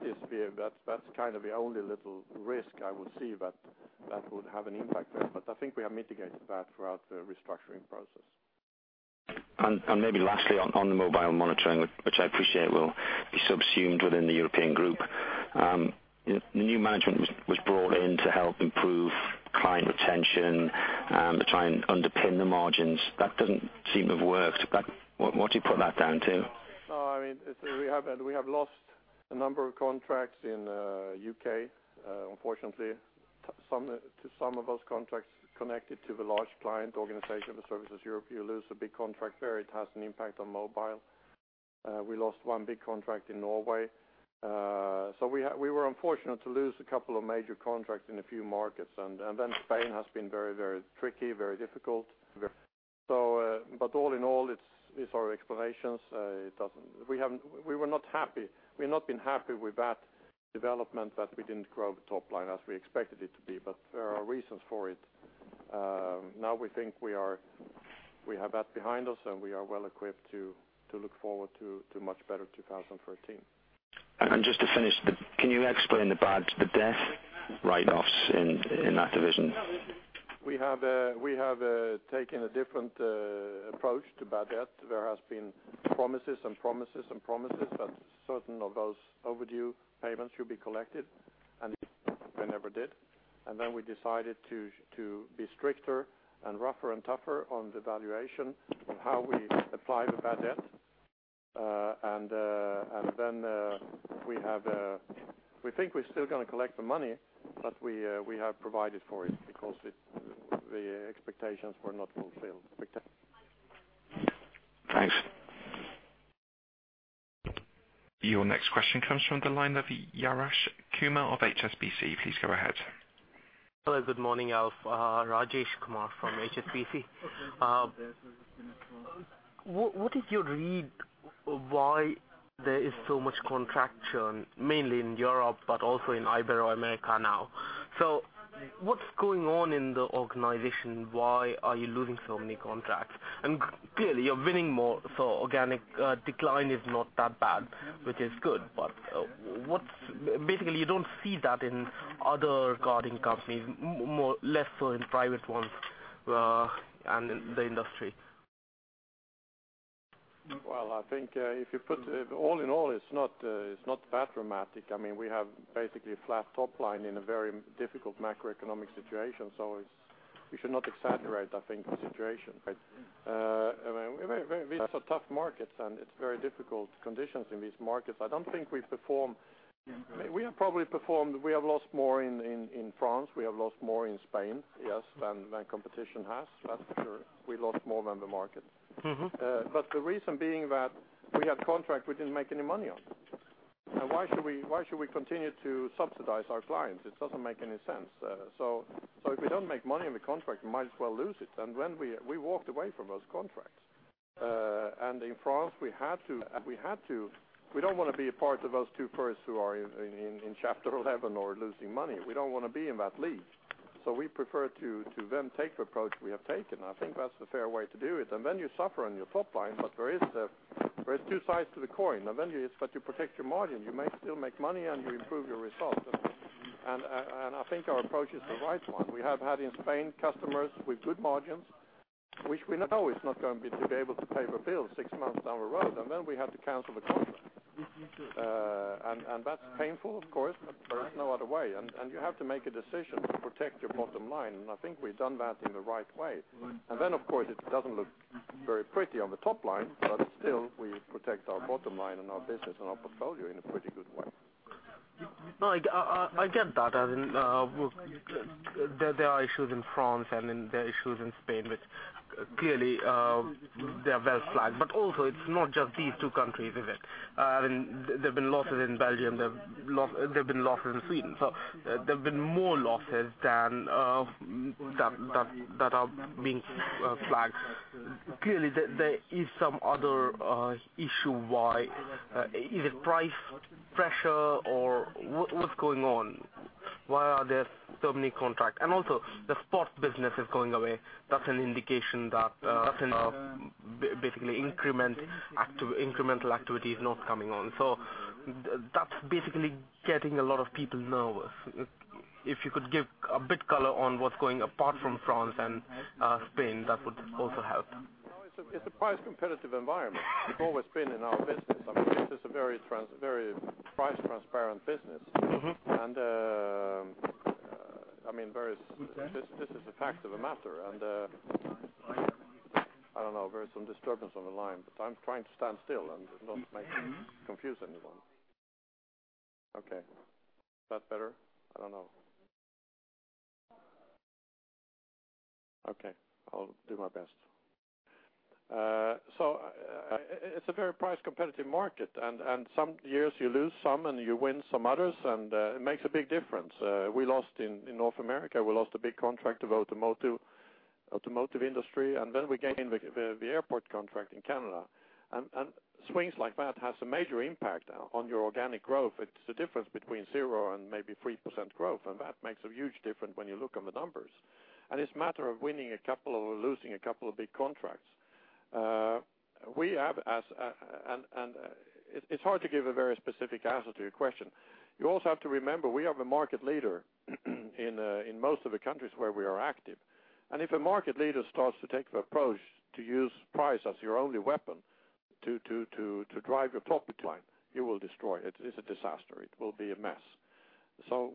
is, that's kind of the only little risk I will see that would have an impact there. But I think we have mitigated that throughout the restructuring process. And maybe lastly, on the mobile monitoring, which I appreciate will be subsumed within the European group. The new management was brought in to help improve client retention, to try and underpin the margins. That doesn't seem to have worked. But what do you put that down to? I mean, we have, we have lost a number of contracts in U.K., unfortunately. Some of those contracts connected to the large client organization, the Services Europe. You lose a big contract there, it has an impact on mobile. We lost one big contract in Norway. So we were unfortunate to lose a couple of major contracts in a few markets, and then Spain has been very, very tricky, very difficult. So, but all in all, it's our explanations. We were not happy. We've not been happy with that development, that we didn't grow the top line as we expected it to be, but there are reasons for it. Now we think we are. We have that behind us, and we are well equipped to look forward to much better 2013. Just to finish, can you explain the bad debt write-offs in that division? We have taken a different approach to bad debt. There has been promises and promises and promises that certain of those overdue payments should be collected, and they never did. And then we decided to be stricter and rougher and tougher on the valuation of how we apply the bad debt. And then we have we think we're still gonna collect the money, but we have provided for it because it, the expectations were not fulfilled. Viktor? Thanks. Your next question comes from the line of Rajesh Kumar of HSBC. Please go ahead. Hello, good morning, Alf. Rajesh Kumar from HSBC. What is your read why there is so much contraction, mainly in Europe, but also in Ibero-America now? So what's going on in the organization? Why are you losing so many contracts? And clearly, you're winning more, so organic decline is not that bad, which is good, but what's... Basically, you don't see that in other guarding companies, more, less so in private ones, and in the industry. Well, I think, if you put it all in all, it's not, it's not that dramatic. I mean, we have basically a flat top line in a very difficult macroeconomic situation, so it's we should not exaggerate, I think, the situation, right? I mean, very, very, these are tough markets, and it's very difficult conditions in these markets. I don't think we perform. We have probably performed, we have lost more in France, we have lost more in Spain, yes, than competition has. That's for sure. We lost more than the market. Mm-hmm. But the reason being that we had contract we didn't make any money on. Now, why should we, why should we continue to subsidize our clients? It doesn't make any sense. So, so if we don't make money on the contract, we might as well lose it. And when we, we walked away from those contracts, and in France, we had to. We don't want to be a part of those two firms who are in Chapter 11 or losing money. We don't want to be in that league. So we prefer to, to then take the approach we have taken. I think that's the fair way to do it. And then you suffer on your top line, but there is two sides to the coin. And then you, but you protect your margin. You may still make money and you improve your results. And I think our approach is the right one. We have had in Spain customers with good margins, which we know is not going to be able to pay the bills six months down the road, and then we have to cancel the contract. And that's painful, of course, but there is no other way. And you have to make a decision to protect your bottom line, and I think we've done that in the right way. And then, of course, it doesn't look very pretty on the top line, but still, we protect our bottom line and our business and our portfolio in a pretty good way. No, I get that. I mean, there are issues in France and then there are issues in Spain, which clearly they are well flagged. But also, it's not just these two countries, is it? I mean, there have been losses in Belgium, there have been losses in Sweden. So there have been more losses than that are being flagged. Clearly, there is some other issue. Why is it price pressure or what, what's going on? Why are there so many contracts? And also, the sports business is going away. That's an indication that that's basically incremental activity is not coming on. So that's basically getting a lot of people nervous. If you could give a bit of color on what's going on apart from France and Spain, that would also help. It's a price competitive environment. It's always been in our business. I mean, this is a very price transparent business. Mm-hmm. And, I mean, there is this is a fact of the matter. And, I don't know, there is some disturbance on the line, but I'm trying to stand still and not make it confuse anyone. Okay. Is that better? I don't know. Okay, I'll do my best. So it's a very price competitive market, and some years you lose some, and you win some others, and it makes a big difference. We lost in North America, we lost a big contract to automotive industry, and then we gained the airport contract in Canada. And swings like that has a major impact on your organic growth. It's the difference between zero and maybe 3% growth, and that makes a huge difference when you look on the numbers. It's a matter of winning a couple or losing a couple of big contracts. It's hard to give a very specific answer to your question. You also have to remember, we have a market leader in most of the countries where we are active. If a market leader starts to take the approach to use price as your only weapon to drive your top line, you will destroy it. It's a disaster. It will be a mess.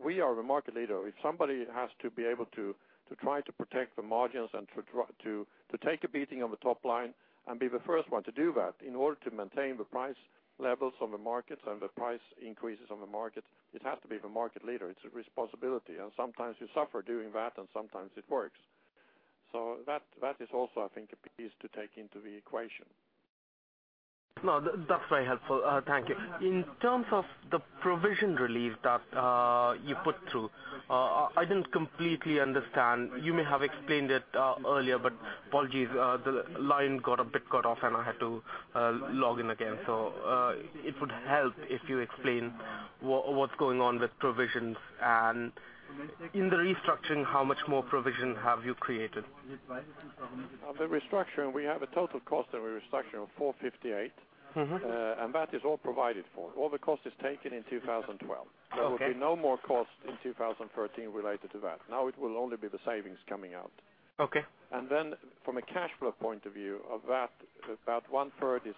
We are a market leader. If somebody has to be able to, to try to protect the margins and to take a beating on the top line and be the first one to do that, in order to maintain the price levels on the market and the price increases on the market, it has to be the market leader. It's a responsibility, and sometimes you suffer doing that, and sometimes it works. So that, that is also, I think, a piece to take into the equation. No, that's very helpful. Thank you. In terms of the provision relief that you put through, I didn't completely understand. You may have explained it earlier, but apologies, the line got a bit cut off, and I had to log in again. So, it would help if you explain what's going on with provisions and in the restructuring, how much more provision have you created? On the restructuring, we have a total cost of restructuring of 458. Mm-hmm. That is all provided for. All the cost is taken in 2012. Okay. There will be no more cost in 2013 related to that. Now, it will only be the savings coming out. Okay. And then from a cash flow point of view, of that, about one third is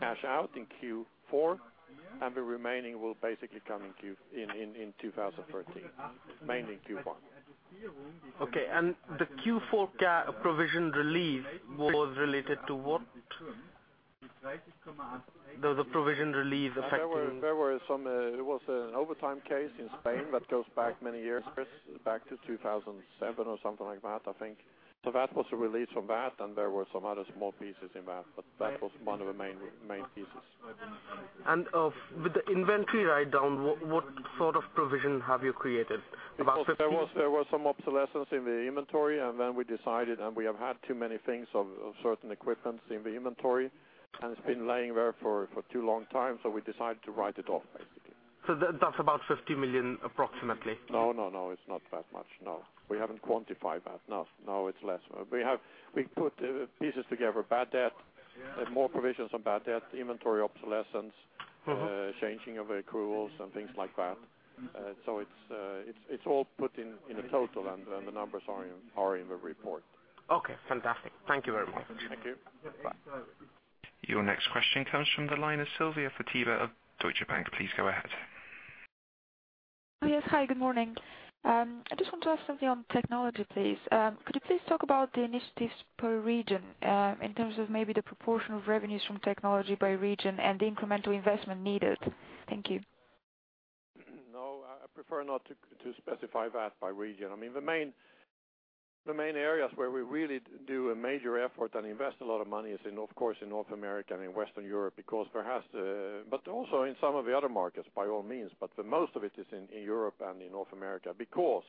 cash out in fourth quarter, and the remaining will basically come in 2013, mainly in first quarter. Okay. And the fourth quarter provision relief was related to what? There was a provision relief affecting- There were some, it was an overtime case in Spain that goes back many years, Chris, back to 2007 or something like that, I think. So that was a release from that, and there were some other small pieces in that, but that was one of the main, main pieces. With the inventory write-down, what sort of provision have you created? About SEK 50- There was some obsolescence in the inventory, and then we decided, and we have had too many things of certain equipment in the inventory, and it's been lying there for too long time, so we decided to write it off, basically. That, that's about 50 million, approximately? No, no, no, it's not that much. No. We haven't quantified that. No, no, it's less. We put the pieces together, bad debt, and more provisions on bad debt, inventory obsolescence- Mm-hmm. Changing of accruals and things like that. So it's all put in a total, and the numbers are in the report. Okay, fantastic. Thank you very much. Thank you. Bye. Your next question comes from the line of Sylvia Barker of Deutsche Bank. Please go ahead. Oh, yes. Hi, good morning. I just want to ask something on technology, please. Could you please talk about the initiatives per region, in terms of maybe the proportion of revenues from technology by region and the incremental investment needed? Thank you. No, I prefer not to specify that by region. I mean, the main areas where we really do a major effort and invest a lot of money is in, of course, in North America and in Western Europe, because perhaps. But also in some of the other markets, by all means, but the most of it is in Europe and in North America. Because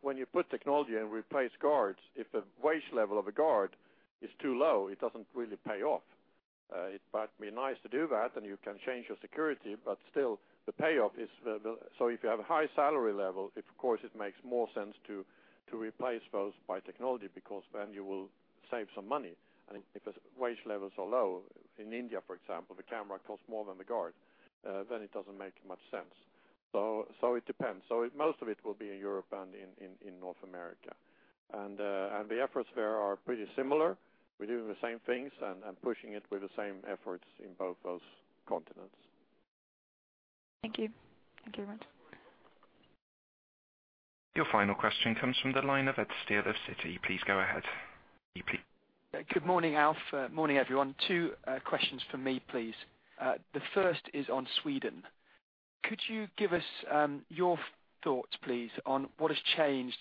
when you put technology and replace guards, if the wage level of a guard is too low, it doesn't really pay off. It might be nice to do that, and you can change your security, but still, the payoff is the—so if you have a high salary level, if, of course, it makes more sense to replace those by technology, because then you will save some money. If the wage levels are low, in India, for example, the camera costs more than the guard, then it doesn't make much sense. So it depends. So most of it will be in Europe and in North America. And the efforts there are pretty similar. We're doing the same things and pushing it with the same efforts in both those continents. Thank you. Thank you very much. Your final question comes from the line of Ed Steele of Citi. Please go ahead. Good morning, Alf. Morning, everyone. 2 questions from me, please. The first is on Sweden. Could you give us your thoughts, please, on what has changed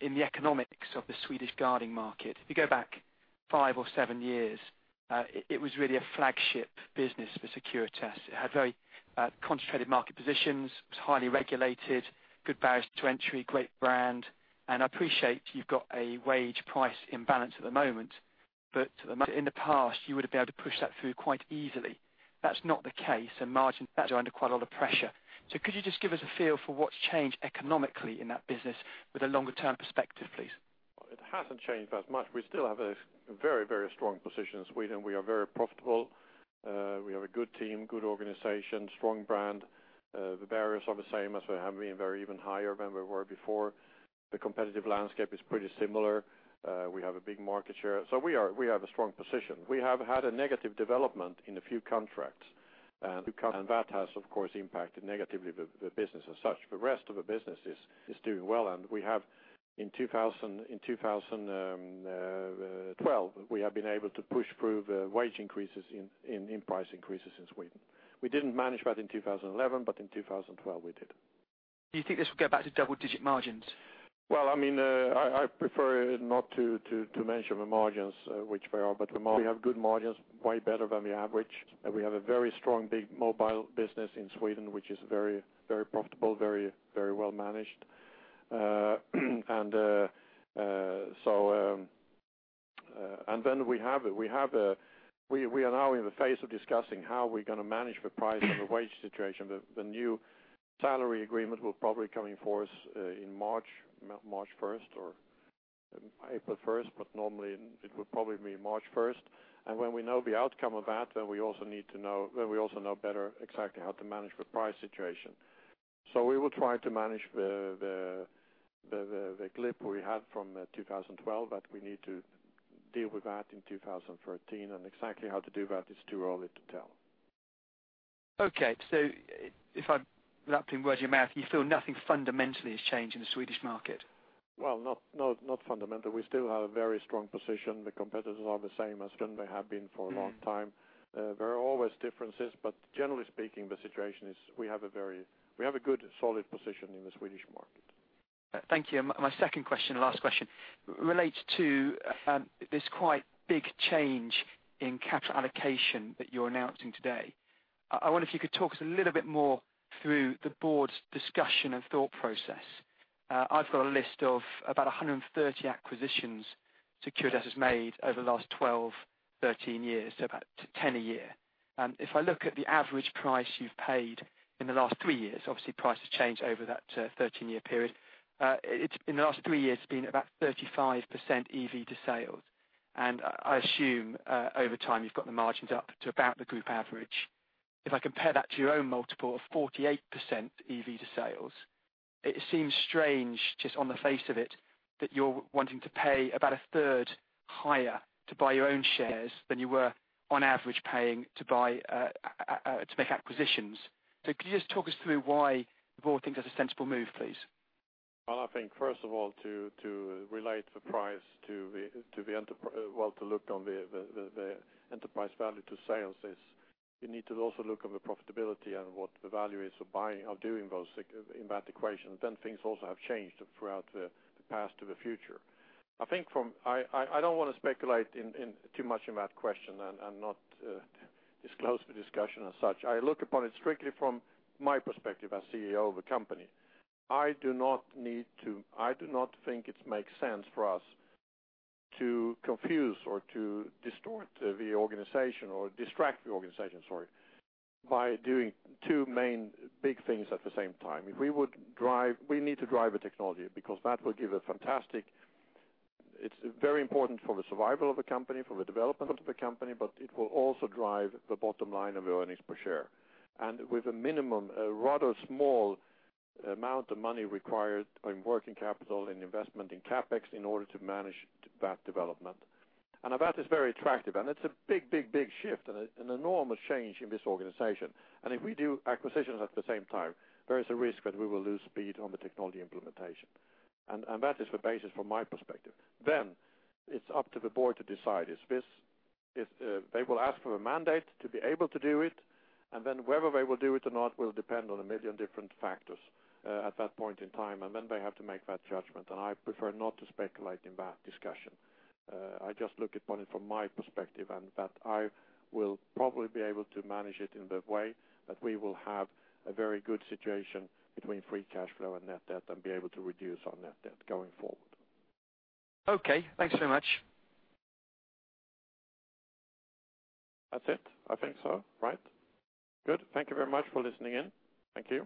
in the economics of the Swedish guarding market? If you go back 5 years or 7 years, it was really a flagship business for Securitas. It had very concentrated market positions, it was highly regulated, good barriers to entry, great brand, and I appreciate you've got a wage price imbalance at the moment. But in the past, you would have been able to push that through quite easily. That's not the case, and margins are under quite a lot of pressure. So could you just give us a feel for what's changed economically in that business with a longer term perspective, please? It hasn't changed that much. We still have a very, very strong position in Sweden. We are very profitable. We have a good team, good organization, strong brand. The barriers are the same as they have been, very, even higher than they were before. The competitive landscape is pretty similar. We have a big market share, so we are, we have a strong position. We have had a negative development in a few contracts, and that has, of course, impacted negatively the business as such. The rest of the business is doing well, and in 2012, we have been able to push through wage increases in price increases in Sweden. We didn't manage that in 2011, but in 2012, we did. Do you think this will go back to double-digit margins? Well, I mean, I prefer not to mention the margins, which we are, but we have good margins, way better than the average. We have a very strong, big mobile business in Sweden, which is very, very profitable, very, very well managed. And then we have a—we are now in the phase of discussing how we're gonna manage the price and the wage situation. The new salary agreement will probably come in force in March first or April first, but normally it would probably be March first. And when we know the outcome of that, then we also know better exactly how to manage the price situation. So we will try to manage the clip we had from 2012, but we need to deal with that in 2013, and exactly how to do that is too early to tell. Okay, so if I'm putting words in your mouth, you feel nothing fundamentally has changed in the Swedish market? Well, not, not, not fundamentally. We still have a very strong position. The competitors are the same as them they have been for a long time. There are always differences, but generally speaking, the situation is we have a good, solid position in the Swedish market. Thank you. My second question, last question, relates to this quite big change in capital allocation that you're announcing today. I wonder if you could talk us a little bit more through the board's discussion and thought process. I've got a list of about 130 acquisitions Securitas has made over the last 12-13 years, so about 10 a year. If I look at the average price you've paid in the last 3 years, obviously price has changed over that 13-year period. It's in the last 3 years, it's been about 35% EV to sales. And I assume over time, you've got the margins up to about the group average. If I compare that to your own multiple of 48% EV to sales, it seems strange, just on the face of it, that you're wanting to pay about a third higher to buy your own shares than you were on average paying to buy to make acquisitions. Could you just talk us through why the board thinks that's a sensible move, please? ... Well, I think first of all, to relate the price to the enterprise value to sales. You need to also look at the profitability and what the value is of buying, of doing those in that equation, then things also have changed throughout the past to the future. I think I don't want to speculate in too much in that question and not disclose the discussion as such. I look upon it strictly from my perspective as CEO of the company. I do not think it makes sense for us to confuse or to distort the organization or distract the organization, sorry, by doing two main big things at the same time. If we would drive... We need to drive a technology because that will give a fantastic. It's very important for the survival of the company, for the development of the company, but it will also drive the bottom line of earnings per share. And with a minimum, a rather small amount of money required in working capital, in investment, in CapEx, in order to manage that development. And that is very attractive, and it's a big, big, big shift and an enormous change in this organization. And if we do acquisitions at the same time, there is a risk that we will lose speed on the technology implementation, and, and that is the basis from my perspective. Then it's up to the board to decide is this, if they will ask for a mandate to be able to do it, and then whether they will do it or not will depend on a million different factors at that point in time, and then they have to make that judgment. I prefer not to speculate in that discussion. I just look upon it from my perspective, and that I will probably be able to manage it in the way that we will have a very good situation between free cash flow and net debt and be able to reduce our net debt going forward. Okay, thanks so much. That's it? I think so. Right. Good. Thank you very much for listening in. Thank you.